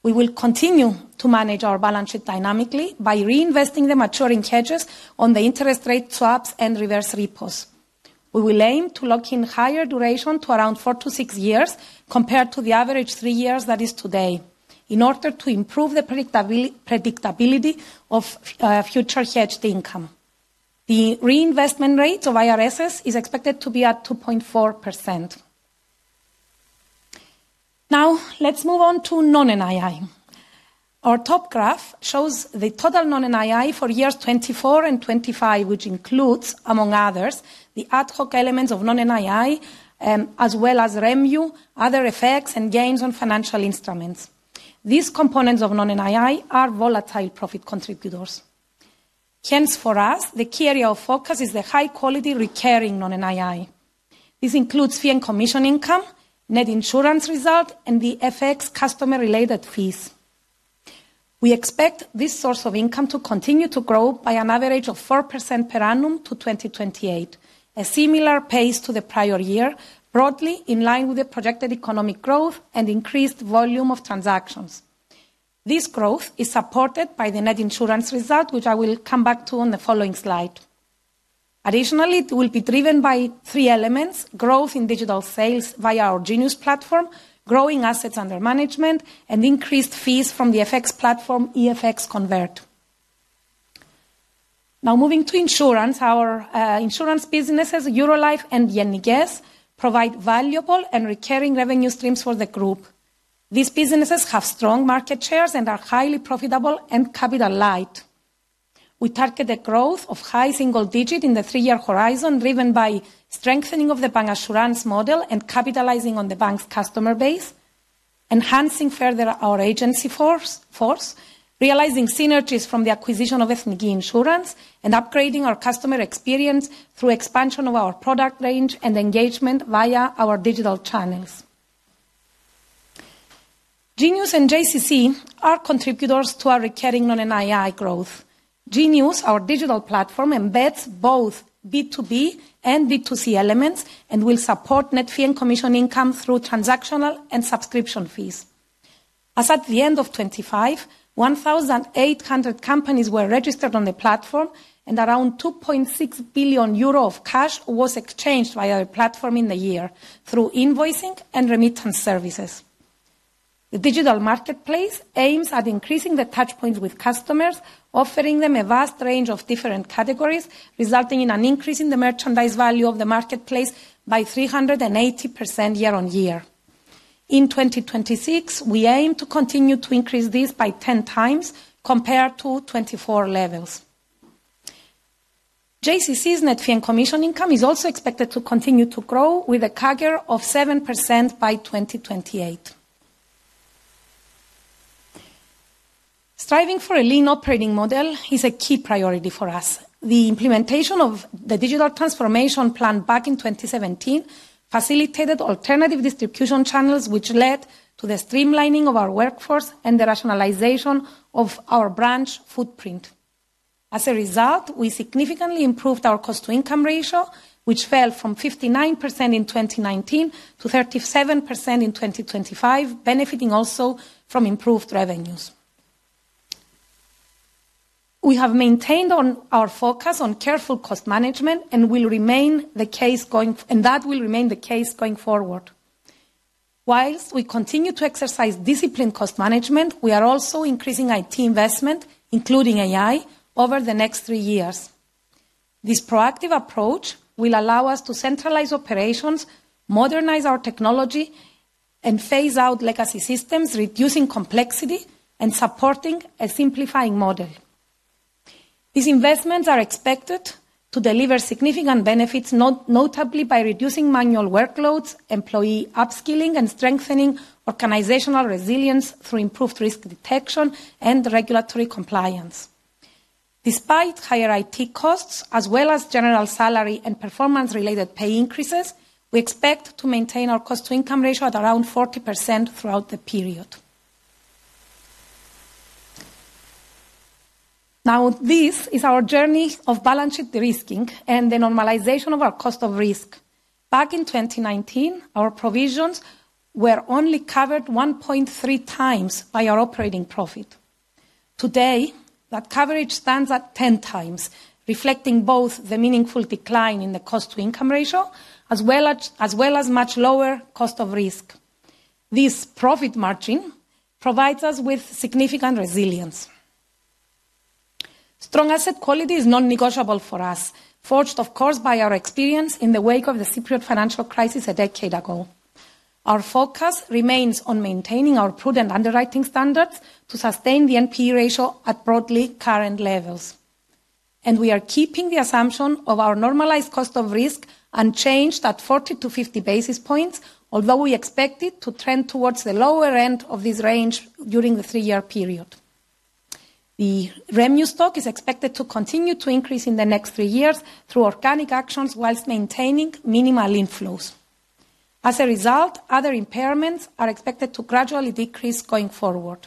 We will continue to manage our balance sheet dynamically by reinvesting the maturing hedges on the interest rate swaps and reverse repos. We will aim to lock in higher duration to around 4 to 6 years compared to the average 3 years that is today, in order to improve the predictability of future hedged income. The reinvestment rates of IRSs is expected to be at 2.4%. Let's move on to non-NII. Our top graph shows the total non-NII for years 2024 and 2025, which includes, among others, the ad hoc elements of non-NII, as well as REMU, other effects, and gains on financial instruments. These components of non-NII are volatile profit contributors. For us, the key area of focus is the high quality recurring non-NII. This includes fee and commission income, net insurance result, and the FX customer-related fees. We expect this source of income to continue to grow by an average of 4% per annum to 2028, a similar pace to the prior year, broadly in line with the projected economic growth and increased volume of transactions. This growth is supported by the net insurance result, which I will come back to on the following slide. Additionally, it will be driven by three elements, growth in digital sales via our Genius platform, growing assets under management, and increased fees from the FX platform, eFX Convert. Now moving to insurance, our insurance businesses, Eurolife and Geniki, provide valuable and recurring revenue streams for the group. These businesses have strong market shares and are highly profitable and capital light. We target a growth of high single-digit in the 3-year horizon, driven by strengthening of the bancassurance model and capitalizing on the Bank's customer base, enhancing further our agency force, realizing synergies from the acquisition of Ethniki Insurance, and upgrading our customer experience through expansion of our product range and engagement via our digital channels. Genius and JCC are contributors to our recurring non-NII growth. Genius, our digital platform, embeds both B2B and B2C elements and will support net fee and commission income through transactional and subscription fees. As at the end of 2025, 1,800 companies were registered on the platform and around 2.6 billion euro of cash was exchanged via our platform in the year through invoicing and remittance services. The digital marketplace aims at increasing the touchpoints with customers, offering them a vast range of different categories, resulting in an increase in the merchandise value of the marketplace by 380% year-on-year. In 2026, we aim to continue to increase this by 10 times compared to 2024 levels. JCC's net fee and commission income is also expected to continue to grow with a CAGR of 7% by 2028. Striving for a lean operating model is a key priority for us. The implementation of the digital transformation plan back in 2017 facilitated alternative distribution channels which led to the streamlining of our workforce and the rationalization of our branch footprint. As a result, we significantly improved our cost-to-income ratio, which fell from 59% in 2019 to 37% in 2025, benefiting also from improved revenues. We have maintained on our focus on careful cost management. That will remain the case going forward. While we continue to exercise disciplined cost management, we are also increasing IT investment, including AI, over the next three years. This proactive approach will allow us to centralize operations, modernize our technology, and phase out legacy systems, reducing complexity and supporting a simplifying model. These investments are expected to deliver significant benefits, notably by reducing manual workloads, employee upskilling, and strengthening organizational resilience through improved risk detection and regulatory compliance. Despite higher IT costs as well as general salary and performance-related pay increases, we expect to maintain our cost-to-income ratio at around 40% throughout the period. This is our journey of balance sheet de-risking and the normalization of our cost of risk. Back in 2019, our provisions were only covered 1.3 times by our operating profit. Today, that coverage stands at 10 times, reflecting both the meaningful decline in the cost-to-income ratio as well as much lower cost of risk. This profit margin provides us with significant resilience. Strong asset quality is non-negotiable for us, forged, of course, by our experience in the wake of the Cypriot financial crisis a decade ago. Our focus remains on maintaining our prudent underwriting standards to sustain the NPE ratio at broadly current levels. We are keeping the assumption of our normalized cost of risk unchanged at 40-50 basis points, although we expect it to trend towards the lower end of this range during the 3-year period. The REMU stock is expected to continue to increase in the next 3 years through organic actions whilst maintaining minimal inflows. As a result, other impairments are expected to gradually decrease going forward.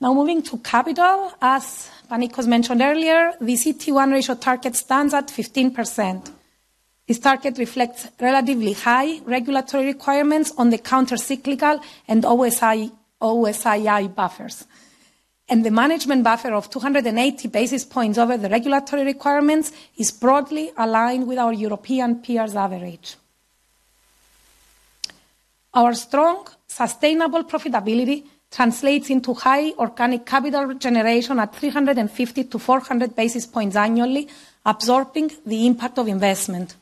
Moving to capital, as Panicos mentioned earlier, the CET1 ratio target stands at 15%. This target reflects relatively high regulatory requirements on the counter cyclical and OSII buffers. The management buffer of 280 basis points over the regulatory requirements is broadly aligned with our European peers average. Our strong, sustainable profitability translates into high organic capital generation at 350 to 400 basis points annually, absorbing the impact of investment.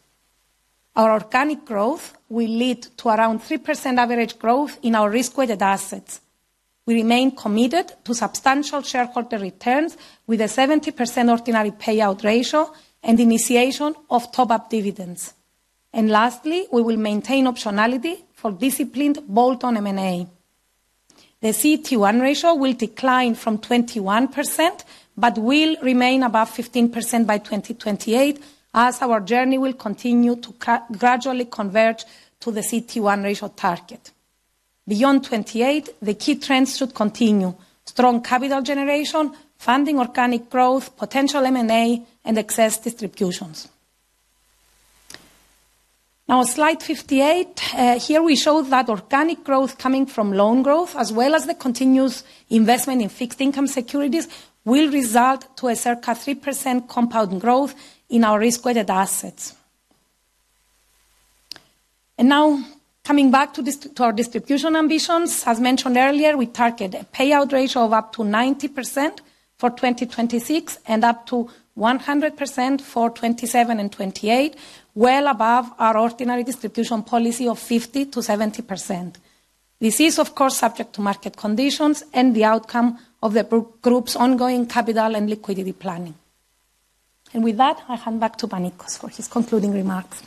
Our organic growth will lead to around 3% average growth in our risk-weighted assets. We remain committed to substantial shareholder returns with a 70% ordinary payout ratio and initiation of top-up dividends. Lastly, we will maintain optionality for disciplined bolt-on M&A. The CET1 ratio will decline from 21%, but will remain above 15% by 2028 as our journey will continue to gradually converge to the CET1 ratio target. Beyond 2028, the key trends should continue. Strong capital generation, funding organic growth, potential M&A, and excess distributions. Slide 58. Here we show that organic growth coming from loan growth, as well as the continuous investment in fixed income securities, will result to a circa 3% compound growth in our risk-weighted assets. Coming back to our distribution ambitions. As mentioned earlier, we target a payout ratio of up to 90% for 2026 and up to 100% for 2027 and 2028, well above our ordinary distribution policy of 50%-70%. This is, of course, subject to market conditions and the outcome of the group's ongoing capital and liquidity planning. With that, I hand back to Panicos for his concluding remarks.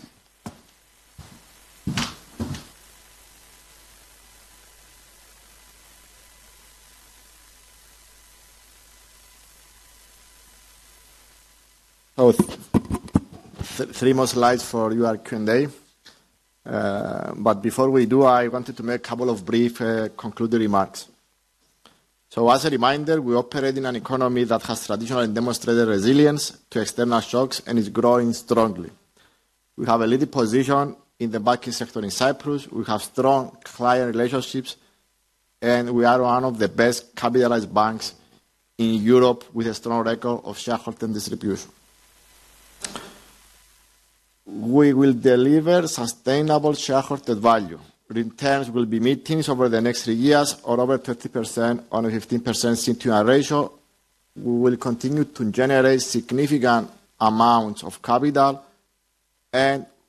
Three more slides for your Q&A. Before we do, I wanted to make a couple of brief concluding remarks. As a reminder, we operate in an economy that has traditionally demonstrated resilience to external shocks and is growing strongly. We have a leading position in the banking sector in Cyprus, we have strong client relationships, and we are one of the best capitalized banks in Europe with a strong record of shareholder distribution. We will deliver sustainable shareholder value. Returns will be mid-teens over the next 3 years or over 30% on a 15% CET1 ratio. We will continue to generate significant amounts of capital,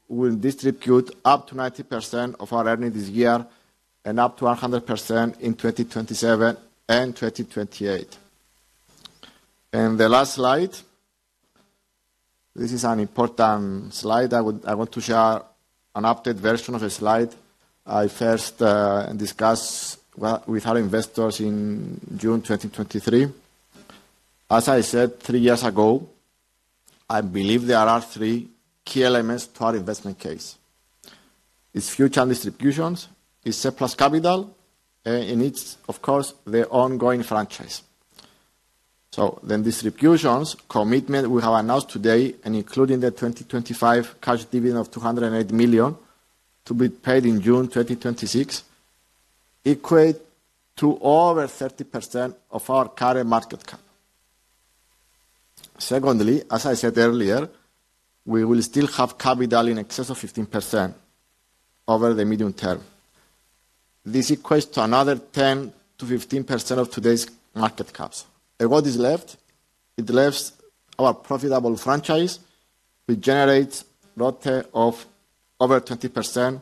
we'll distribute up to 90% of our earnings this year and up to 100% in 2027 and 2028. The last slide. This is an important slide. I want to share an updated version of a slide I first discussed with our investors in June 2023. As I said 3 years ago, I believe there are 3 key elements to our investment case. It's future distributions, it's surplus capital, and it's, of course, the ongoing franchise. Distributions, commitment we have announced today, and including the 2025 cash dividend of 208 million to be paid in June 2026, equate to over 30% of our current market cap. Secondly, as I said earlier, we will still have capital in excess of 15% over the medium term. This equates to another 10%-15% of today's market caps. What is left? It leaves our profitable franchise, which generates ROTE of over 20%,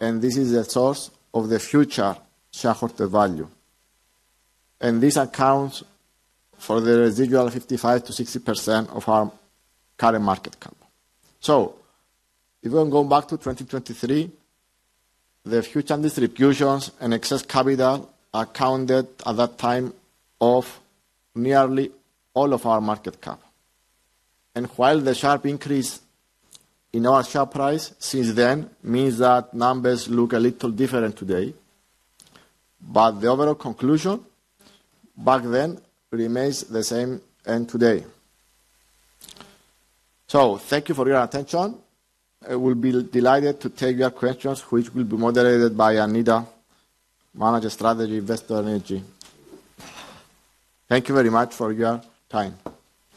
and this is a source of the future shareholder value. This accounts for the residual 55%-60% of our current market cap. If we're going back to 2023, the future distributions and excess capital accounted at that time of nearly all of our market cap. While the sharp increase in our share price since then means that numbers look a little different today, but the overall conclusion back then remains the same and today. Thank you for your attention. I will be delighted to take your questions, which will be moderated by Annita, Manager Strategy, Investor Relations, and ESG. Thank you very much for your time.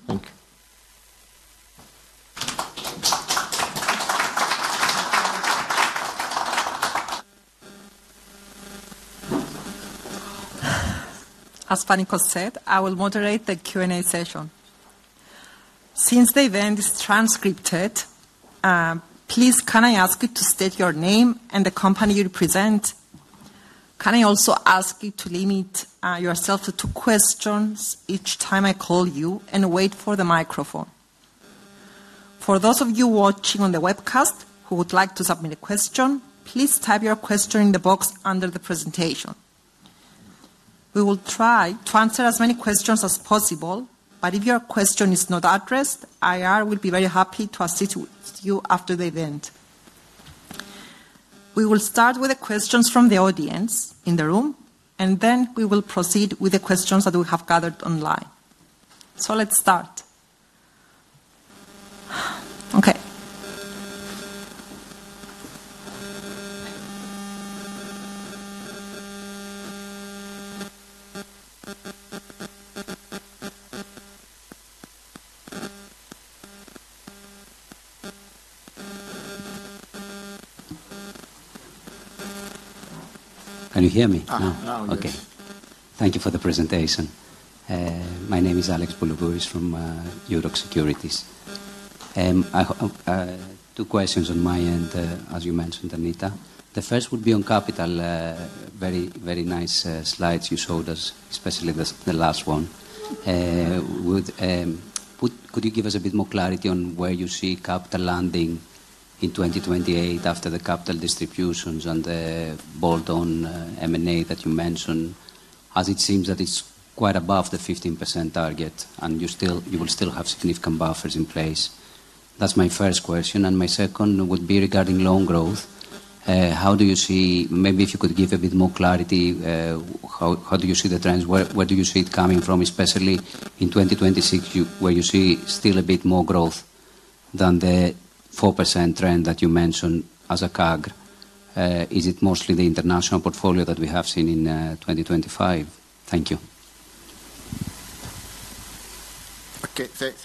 Thank you. As Panicos said, I will moderate the Q&A session. Since the event is transcribed, please can I ask you to state your name and the company you represent? Can I also ask you to limit yourself to two questions each time I call you and wait for the microphone. For those of you watching on the webcast who would like to submit a question, please type your question in the box under the presentation. We will try to answer as many questions as possible, but if your question is not addressed, IR will be very happy to assist with you after the event. We will start with the questions from the audience in the room, and then we will proceed with the questions that we have gathered online. Let's start. Okay. Can you hear me? Now, yes. Okay. Thank you for the presentation. My name is Alex Boulougouris from EUROXX Securities. I have two questions on my end, as you mentioned, Annita. The first would be on capital. Very, very nice slides you showed us, especially the last one. Could you give us a bit more clarity on where you see capital landing in 2028 after the capital distributions and the bolt-on M&A that you mentioned, as it seems that it's quite above the 15% target, you will still have significant buffers in place? That's my first question. My second would be regarding loan growth. Maybe if you could give a bit more clarity, how do you see the trends? Where do you see it coming from, especially in 2026 where you see still a bit more growth than the 4% trend that you mentioned as a CAG? Is it mostly the international portfolio that we have seen in 2025? Thank you.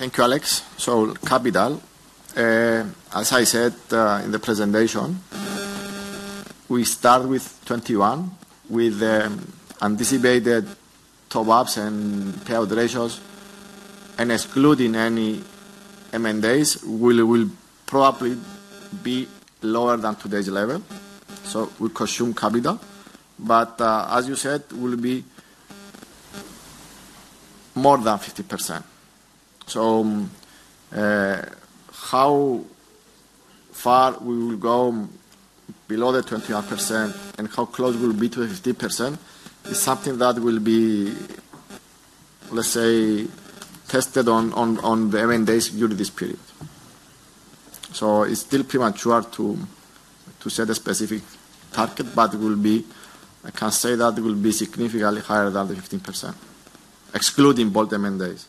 Thank you, Alex. Capital, as I said, in the presentation, we start with 21% with anticipated top-ups and payout ratios, and excluding any M&As, we will probably be lower than today's level, so we consume capital. As you said, we'll be more than 50%. How far we will go below the 25% and how close we'll be to 50% is something that will be, let's say, tested on the M&As during this period. It's still premature to set a specific target. I can say that it will be significantly higher than the 15%, excluding both M&As.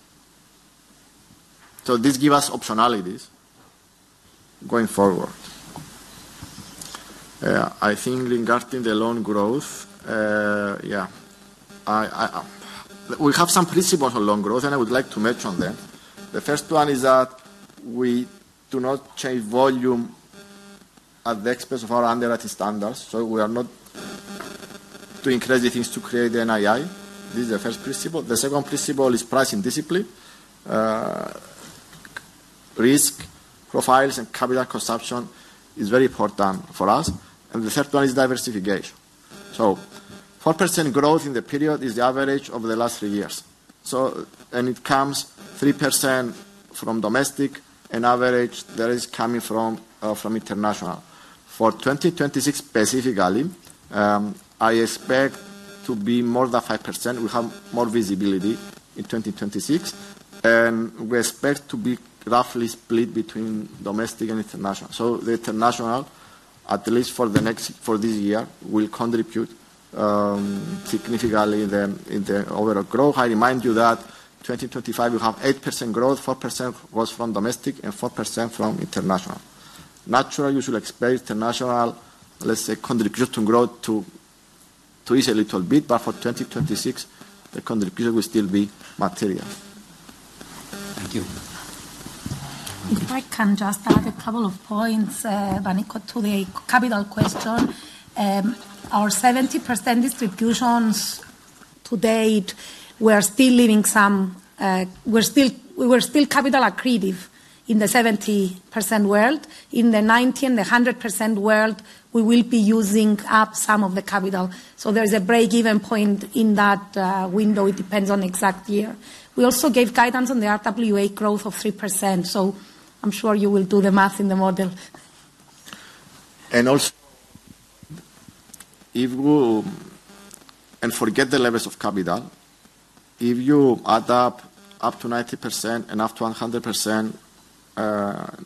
This give us optionalities going forward. I think regarding the loan growth, yeah. We have some principles for loan growth, and I would like to mention them. The first one is that we do not chase volume at the expense of our underwriting standards, so we are not doing crazy things to create the NII. This is the first principle. The second principle is pricing discipline. Risk profiles and capital consumption is very important for us. The third one is diversification. 4% growth in the period is the average over the last 3 years. It comes 3% from domestic and average that is coming from international. For 2026 specifically, I expect to be more than 5%. We have more visibility in 2026. We expect to be roughly split between domestic and international. The international, at least for this year, will contribute significantly in the overall growth. I remind you that 2025 we have 8% growth, 4% was from domestic and 4% from international. Naturally, you should expect international, let's say, contribution growth to ease a little bit, but for 2026, the contribution will still be material. Thank you. If I can just add a couple of points, when it come to the capital question. Our 70% distributions to date, we are still leaving some. We were still capital accretive in the 70% world. In the 90% and the 100% world, we will be using up some of the capital. There's a break-even point in that window. It depends on exact year. We also gave guidance on the RWA growth of 3%, I'm sure you will do the math in the model. Forget the levels of capital. If you add up up to 90% and up to 100%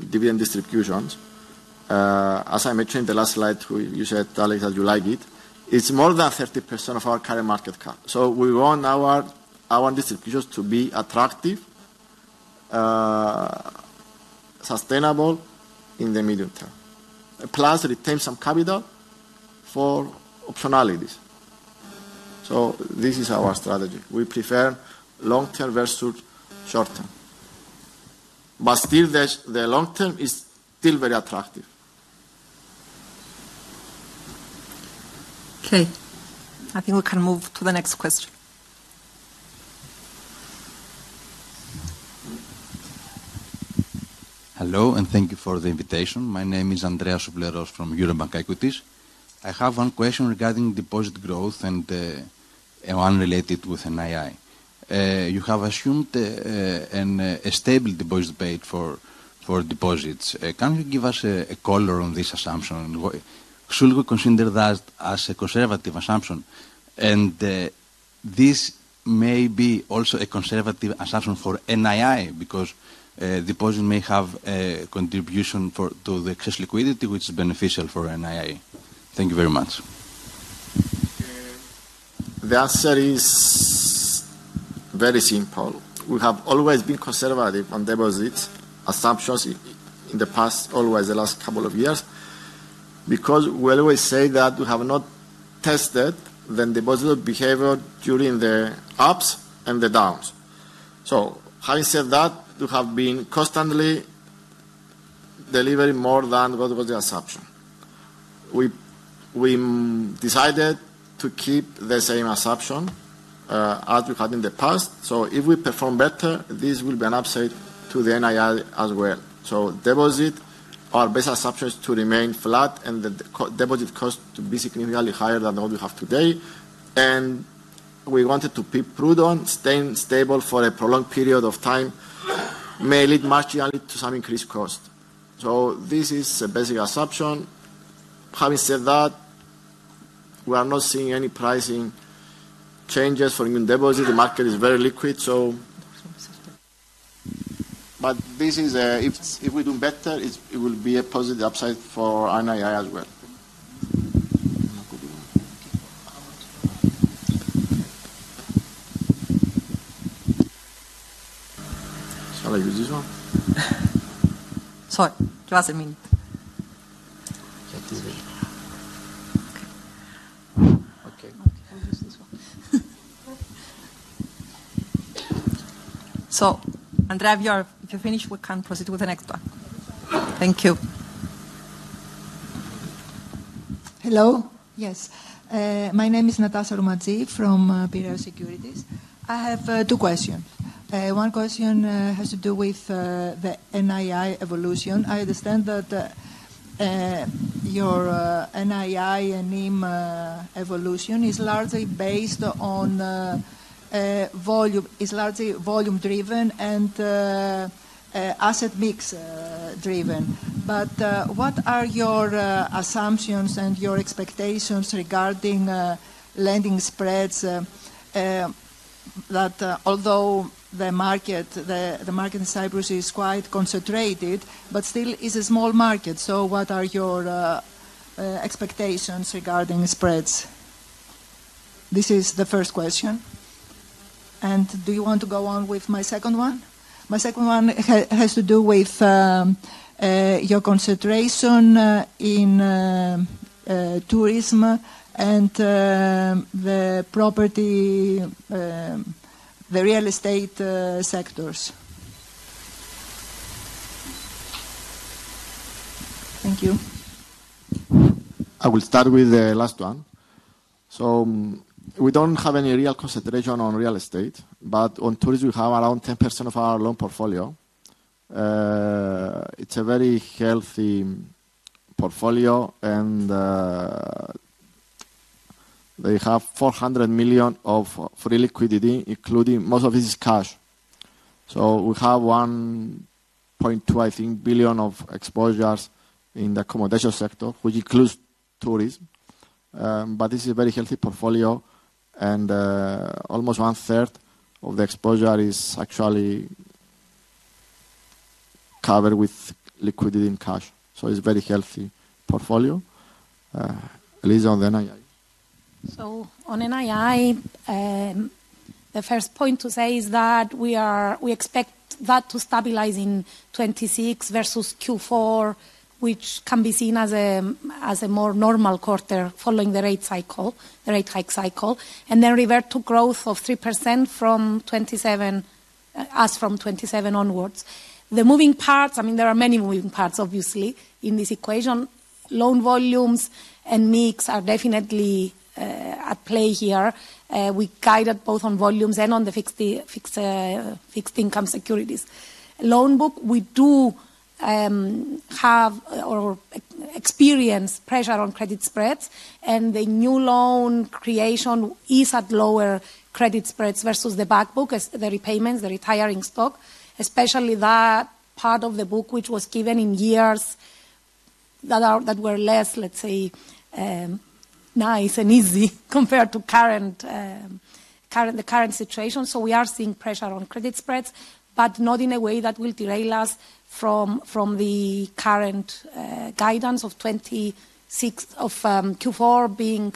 dividend distributions, as I mentioned in the last slide, you said, Alex, that you like it's more than 30% of our current market cap. We want our distributions to be attractive, sustainable in the medium term, plus retain some capital for optionalities. This is our strategy. We prefer long term versus short term. Still, the long term is still very attractive. Okay. I think we can move to the next question. Hello, thank you for the invitation. My name is Andreas Souvleros from Eurobank Equities. I have one question regarding deposit growth and one related with NII. You have assumed a stable deposit rate for deposits. Can you give us a color on this assumption? Should we consider that as a conservative assumption? This may be also a conservative assumption for NII, because deposit may have a contribution to the excess liquidity which is beneficial for NII. Thank you very much. The answer is very simple. We have always been conservative on deposits assumptions in the past, always the last couple of years, because we always say that we have not tested the deposit behavior during the ups and the downs. Having said that, we have been constantly delivering more than what was the assumption. We decided to keep the same assumption as we had in the past. If we perform better, this will be an upside to the NII as well. Deposit, our best assumption is to remain flat and the co-deposit cost to be significantly higher than what we have today. We wanted to be prudent, staying stable for a prolonged period of time may lead marginally to some increased cost. This is a basic assumption. Having said that, we are not seeing any pricing changes for new deposit. The market is very liquid. This is, if we do better, it will be a positive upside for NII as well. Shall I use this one? Sorry, it was a meme. Can't do this. Okay. Okay. We'll use this one. Andreas, if you're finished, we can proceed with the next one. Thank you. Hello. Yes. My name is Natasha Roumantzi from Piraeus Securities. I have two questions. One question has to do with the NII evolution. I understand that your NII and NIM evolution is largely based on volume, is largely volume driven and asset mix driven. What are your assumptions and your expectations regarding lending spreads? That although the market in Cyprus is quite concentrated, but still is a small market. What are your expectations regarding spreads? This is the first question. Do you want to go on with my second one? My second one has to do with your concentration in tourism and the property, the real estate sectors. Thank you. I will start with the last one. We don't have any real concentration on real estate, but on tourism we have around 10% of our loan portfolio. It's a very healthy portfolio and they have 400 million of free liquidity, including most of it is cash. We have 1.2 billion, I think, of exposures in the accommodation sector, which includes tourism. This is a very healthy portfolio, and almost one-third of the exposure is actually covered with liquidity and cash. It's a very healthy portfolio. Eliza, on the NII. On NII, the first point to say is that we expect that to stabilize in 2026 versus Q4, which can be seen as a more normal quarter following the rate cycle, the rate hike cycle, and then revert to growth of 3% from 2027, as from 2027 onwards. The moving parts, I mean, there are many moving parts, obviously, in this equation. Loan volumes and mix are definitely at play here. We guided both on volumes and on the fixed income securities. Loan book, we do have or experience pressure on credit spreads, and the new loan creation is at lower credit spreads versus the back book, as the repayments, the retiring stock, especially that part of the book which was given in years that were less, let's say, nice and easy compared to current, the current situation. We are seeing pressure on credit spreads, but not in a way that will derail us from the current guidance of 26 of Q4 being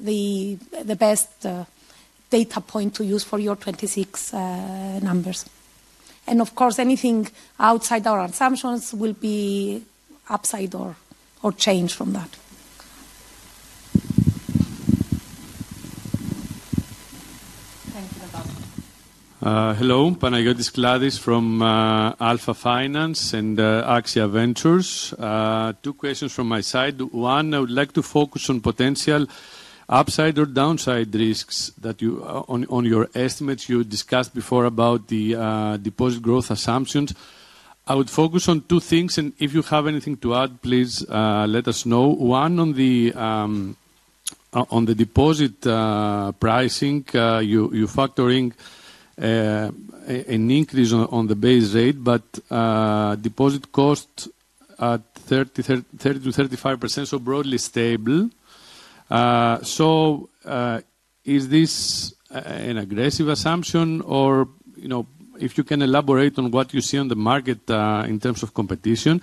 the best data point to use for your 26 numbers. Of course, anything outside our assumptions will be upside or change from that. Thank you, Panagiotis. Hello. Panagiotis Kladis from Alpha Finance and Axia Ventures. Two questions from my side. One, I would like to focus on potential upside or downside risks that on your estimates you discussed before about the deposit growth assumptions. I would focus on two things, and if you have anything to add, please let us know. One, on the on the deposit pricing, you're factoring an increase on the base rate, but deposit costs at 30-35%, so broadly stable. Is this an aggressive assumption? You know, if you can elaborate on what you see on the market in terms of competition.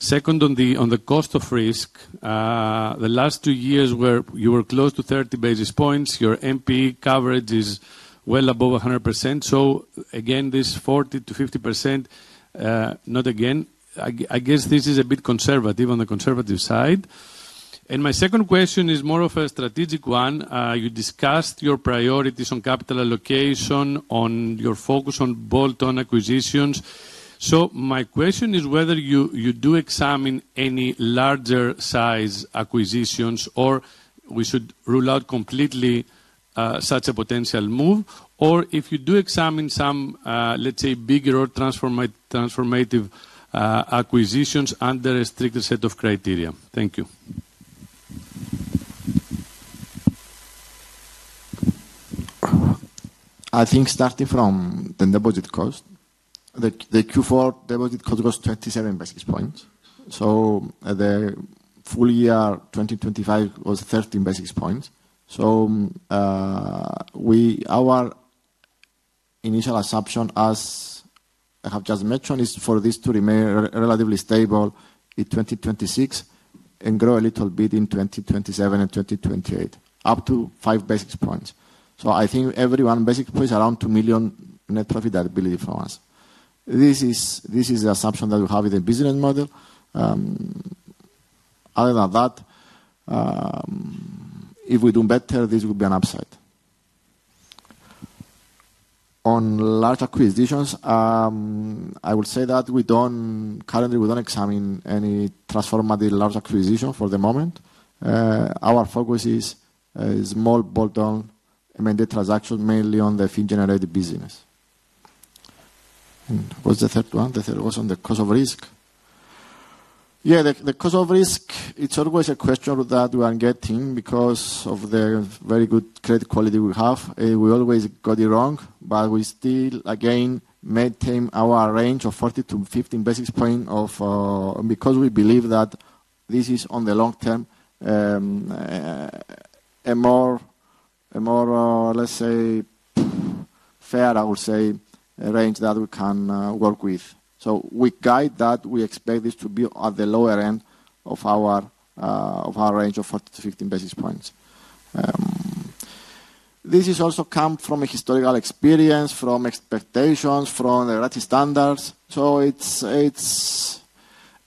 Second, on the cost of risk. The last 2 years where you were close to 30 basis points, your NPE coverage is well above 100%. Again, this 40%-50%, not again. I guess this is a bit conservative, on the conservative side. My second question is more of a strategic one. You discussed your priorities on capital allocation, on your focus on bolt-on acquisitions. My question is whether you do examine any larger size acquisitions, or we should rule out completely, such a potential move, or if you do examine some, let's say, bigger or transformative acquisitions under a stricter set of criteria. Thank you. I think starting from the deposit cost. The Q4 deposit cost was 27 basis points. The full year 2025 was 13 basis points. Our initial assumption, as I have just mentioned, is for this to remain relatively stable in 2026 and grow a little bit in 2027 and 2028, up to 5 basis points. I think every 1 basis point is around 2 million net profitability for us. This is the assumption that we have with the business model. Other than that, if we do better, this will be an upside. On large acquisitions, I would say that we don't. Currently, we don't examine any transformative large acquisition for the moment. Our focus is small bolt-on M&A transactions, mainly on the fee generating business. What's the third one? The third was on the cost of risk. Yeah, the cost of risk, it's always a question that we are getting because of the very good credit quality we have. We always got it wrong, but we still, again, maintain our range of 40-50 basis point of, because we believe that this is on the long term, a more, a more, let's say, fair, I would say, range that we can work with. We guide that. We expect this to be at the lower end of our, of our range of 40-50 basis points. This is also come from a historical experience, from expectations, from the regulatory standards. It's.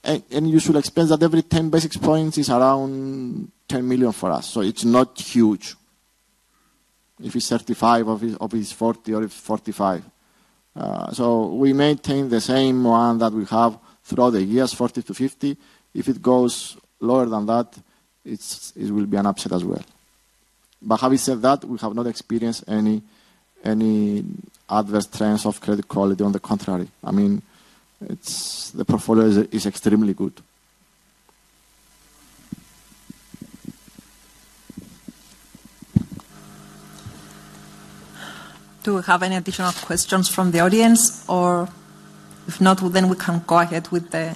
And you should expect that every 10 basis points is around 10 million for us. It's not huge if it's 35, or if it's 40, or if it's 45. We maintain the same one that we have throughout the years, 40-50. If it goes lower than that, it will be an upset as well. Having said that, we have not experienced any adverse trends of credit quality. On the contrary, I mean, the portfolio is extremely good. Do we have any additional questions from the audience? If not, well, then we can go ahead with the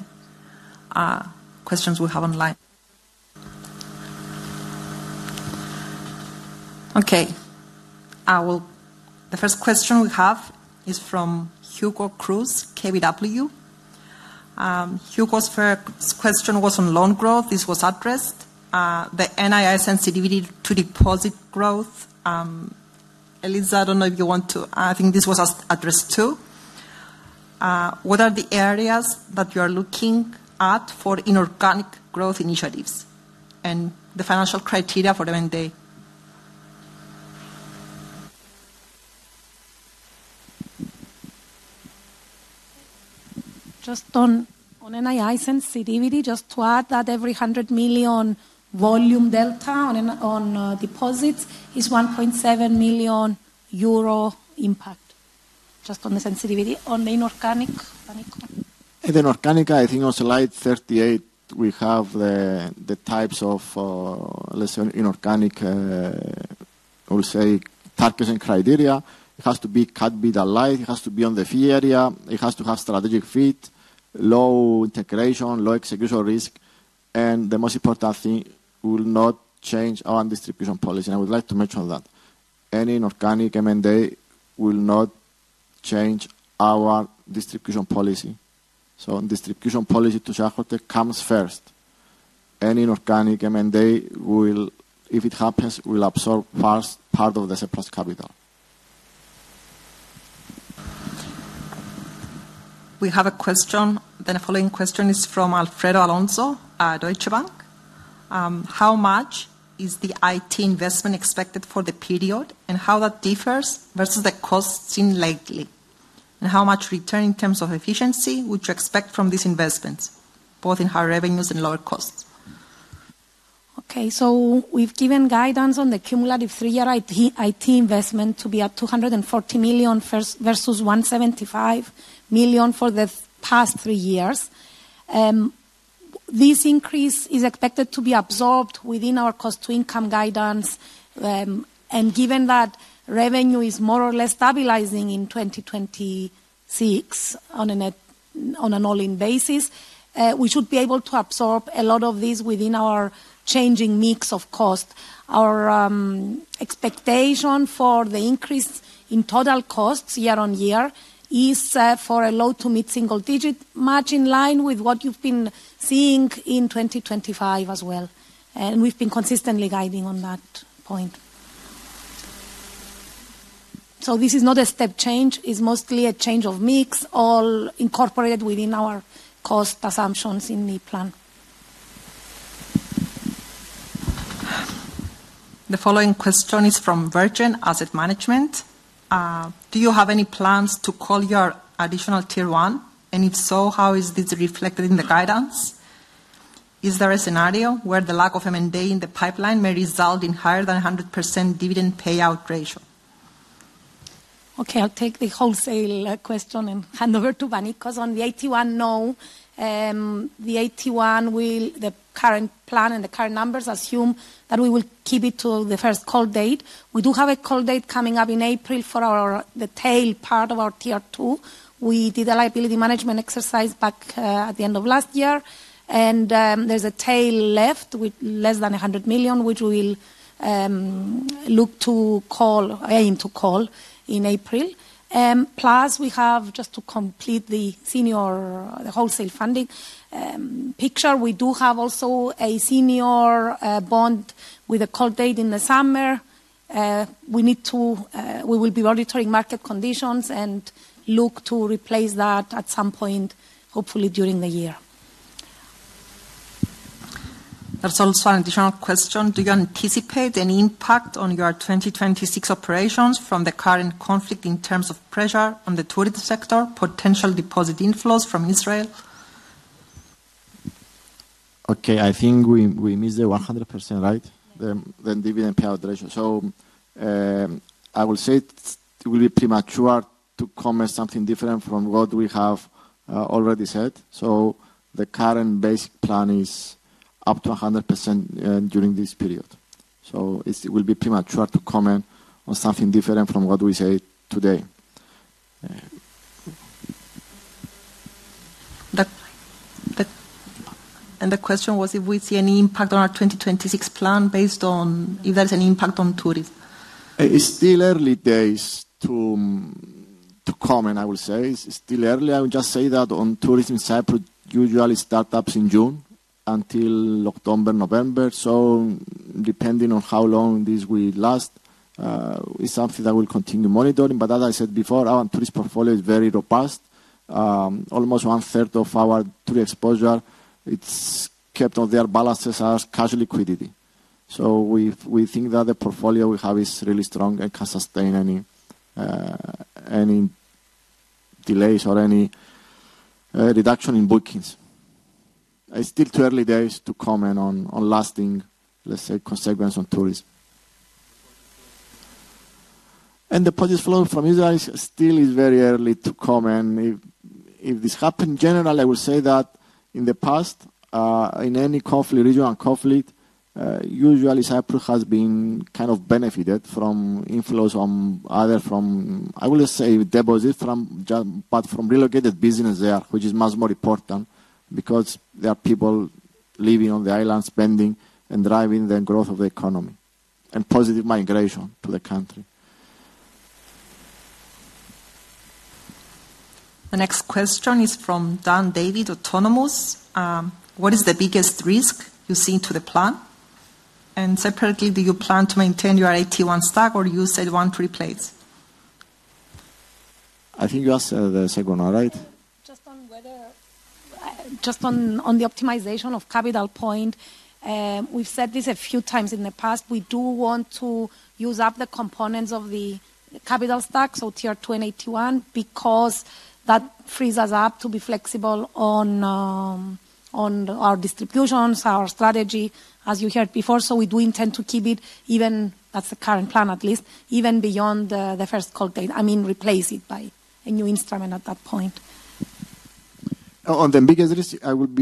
questions we have online. The first question we have is from Hugo Cruz, KBW. Hugo's first question was on loan growth. This was addressed. The NII sensitivity to deposit growth. Eliza, I don't know if you want to add. I think this was addressed too. What are the areas that you are looking at for inorganic growth initiatives and the financial criteria for the M&A? Just on NII sensitivity, just to add that every 100 million volume delta on deposits is 1.7 million euro impact, just on the sensitivity. On the inorganic, Panicos? In inorganic, I think on slide 38, we have the types of, let's say, inorganic, I would say targeting criteria. It has to be cut below the line. It has to be on the fee area. It has to have strategic fit, low integration, low execution risk. The most important thing, we will not change our distribution policy. I would like to mention that. Any inorganic M&A will not change our distribution policy. Distribution policy to shareholders comes first. Any inorganic M&A will, if it happens, will absorb first part of the surplus capital. We have a question. The following question is from Alfredo Alonso at Deutsche Bank. How much is the IT investment expected for the period, how that differs versus the costs seen lately? How much return in terms of efficiency would you expect from these investments, both in higher revenues and lower costs? We've given guidance on the cumulative three-year IT investment to be at 240 million first versus 175 million for the past three years. This increase is expected to be absorbed within our cost-to-income guidance. Given that revenue is more or less stabilizing in 2026 on an all-in basis, we should be able to absorb a lot of this within our changing mix of cost. Our expectation for the increase in total costs year-on-year is for a low to mid-single digit, much in line with what you've been seeing in 2025 as well. We've been consistently guiding on that point. This is not a step change. It's mostly a change of mix, all incorporated within our cost assumptions in the plan. The following question is from Virgin Asset Management. Do you have any plans to call your Additional Tier 1? If so, how is this reflected in the guidance? Is there a scenario where the lack of M&A in the pipeline may result in higher than a 100% dividend payout ratio? Okay, I'll take the wholesale question and hand over to Vani. On the AT1, no. The current plan and the current numbers assume that we will keep it till the first call date. We do have a call date coming up in April for our, the tail part of our Tier 2. We did a liability management exercise back at the end of last year. There's a tail left with less than 100 million, which we'll aim to call in April. We have, just to complete the senior wholesale funding picture, we do have also a senior bond with a call date in the summer. We need to, we will be auditing market conditions and look to replace that at some point, hopefully during the year. There's also an additional question. Do you anticipate any impact on your 2026 operations from the current conflict in terms of pressure on the tourist sector, potential deposit inflows from Israel? Okay, I think we missed the 100%, right? The dividend payout ratio. I will say it will be premature to comment something different from what we have already said. The current base plan is up to 100% during this period. It will be premature to comment on something different from what we said today. The question was if we see any impact on our 2026 plan based on if there's an impact on tourist. It's still early days to comment, I will say. It's still early. I would just say that on tourism, Cyprus usually start up in June until October, November. Depending on how long this will last, it's something that we'll continue monitoring. As I said before, our tourist portfolio is very robust. Almost one-third of our tourist exposure, it's kept on their balances as cash liquidity. We think that the portfolio we have is really strong and can sustain any delays or any reduction in bookings. It's still too early days to comment on lasting, let's say, consequences on tourism. The positive flow from Israel is still very early to comment. If this happened, generally, I would say that in the past, in any conflict, regional conflict, usually Cyprus has been kind of benefited from inflows from, either from, I will just say deposits from but from relocated business there, which is much more important because there are people living on the island, spending and driving the growth of the economy and positive migration to the country. The next question is from Dan David, Autonomous. What is the biggest risk you see to the plan? Separately, do you plan to maintain your 81 stack or use CET1 replays? I think you asked, the second one, right? Just on whether, just on the optimization of capital point, we've said this a few times in the past. We do want to use up the components of the capital stack, so Tier 2 and AT1, because that frees us up to be flexible on our distributions, our strategy, as you heard before. We do intend to keep it, even that's the current plan, at least, even beyond the first call date. I mean, replace it by a new instrument at that point. On the biggest risk, it would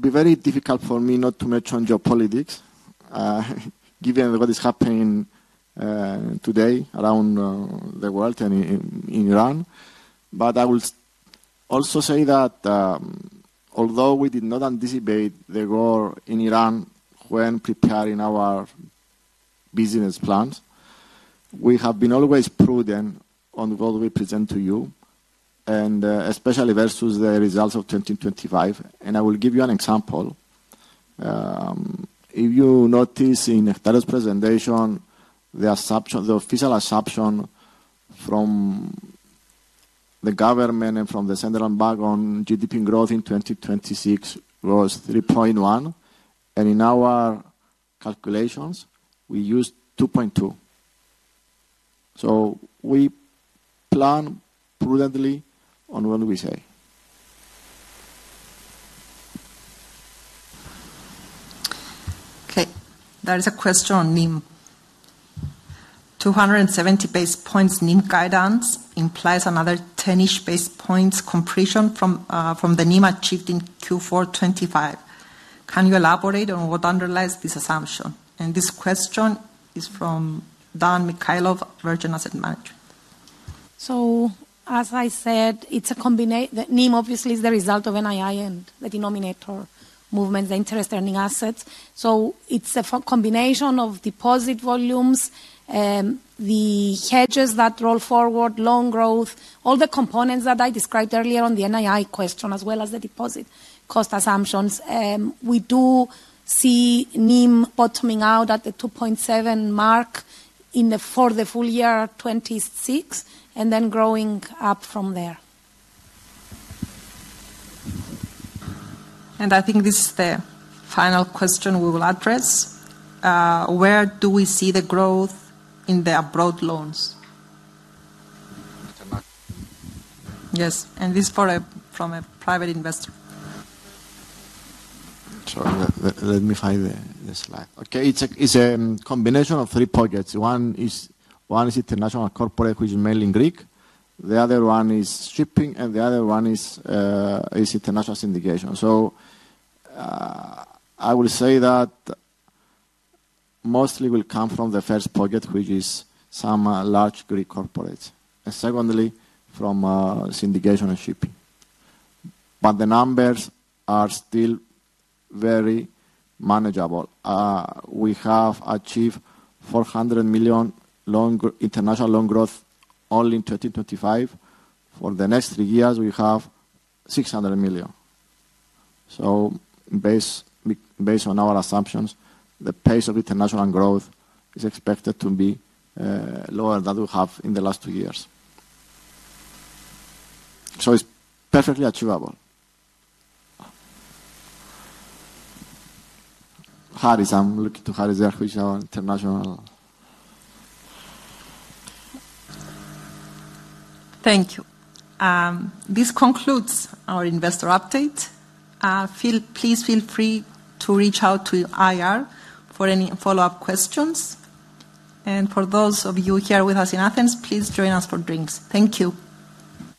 be very difficult for me not to mention geopolitics, given what is happening today around the world and in Iran. I will also say that, although we did not anticipate the war in Iran when preparing our business plans, we have been always prudent on what we present to you, especially versus the results of 2025. I will give you an example. If you notice in Stella's presentation, the official assumption from the government and from the Central Bank on GDP growth in 2026 was 3.1, and in our calculations, we used 2.2. We plan prudently on what we say. Okay, there is a question on NIM. 270 basis points NIM guidance implies another 10-ish basis points compression from the NIM achieved in Q4 2025. Can you elaborate on what underlies this assumption? This question is from Dan Mikhailov, Virgin Asset Management. As I said, the NIM obviously is the result of NII and the denominator movements, the interest earning assets. It's a combination of deposit volumes, the hedges that roll forward, loan growth, all the components that I described earlier on the NII question, as well as the deposit cost assumptions. We do see NIM bottoming out at the 2.7% mark for the full year 2026, and then growing up from there. I think this is the final question we will address. Where do we see the growth in the abroad loans? Mr. Markopoulos. Yes, this is from a private investor. Sorry, let me find the slide. It's a combination of 3 pockets. One is international corporate, which is mainly in Greek. The other one is shipping, and the other one is international syndication. I will say that mostly will come from the first pocket, which is some large Greek corporates, and secondly from syndication and shipping. The numbers are still very manageable. We have achieved 400 million international loan growth only in 2025. For the next 3 years, we have 600 million. Based on our assumptions, the pace of international growth is expected to be lower than we have in the last 2 years. It's perfectly achievable. Harris, I'm looking to Harris there, who is our international. Thank you. This concludes our investor update. Please feel free to reach out to IR for any follow-up questions. For those of you here with us in Athens, please join us for drinks. Thank you.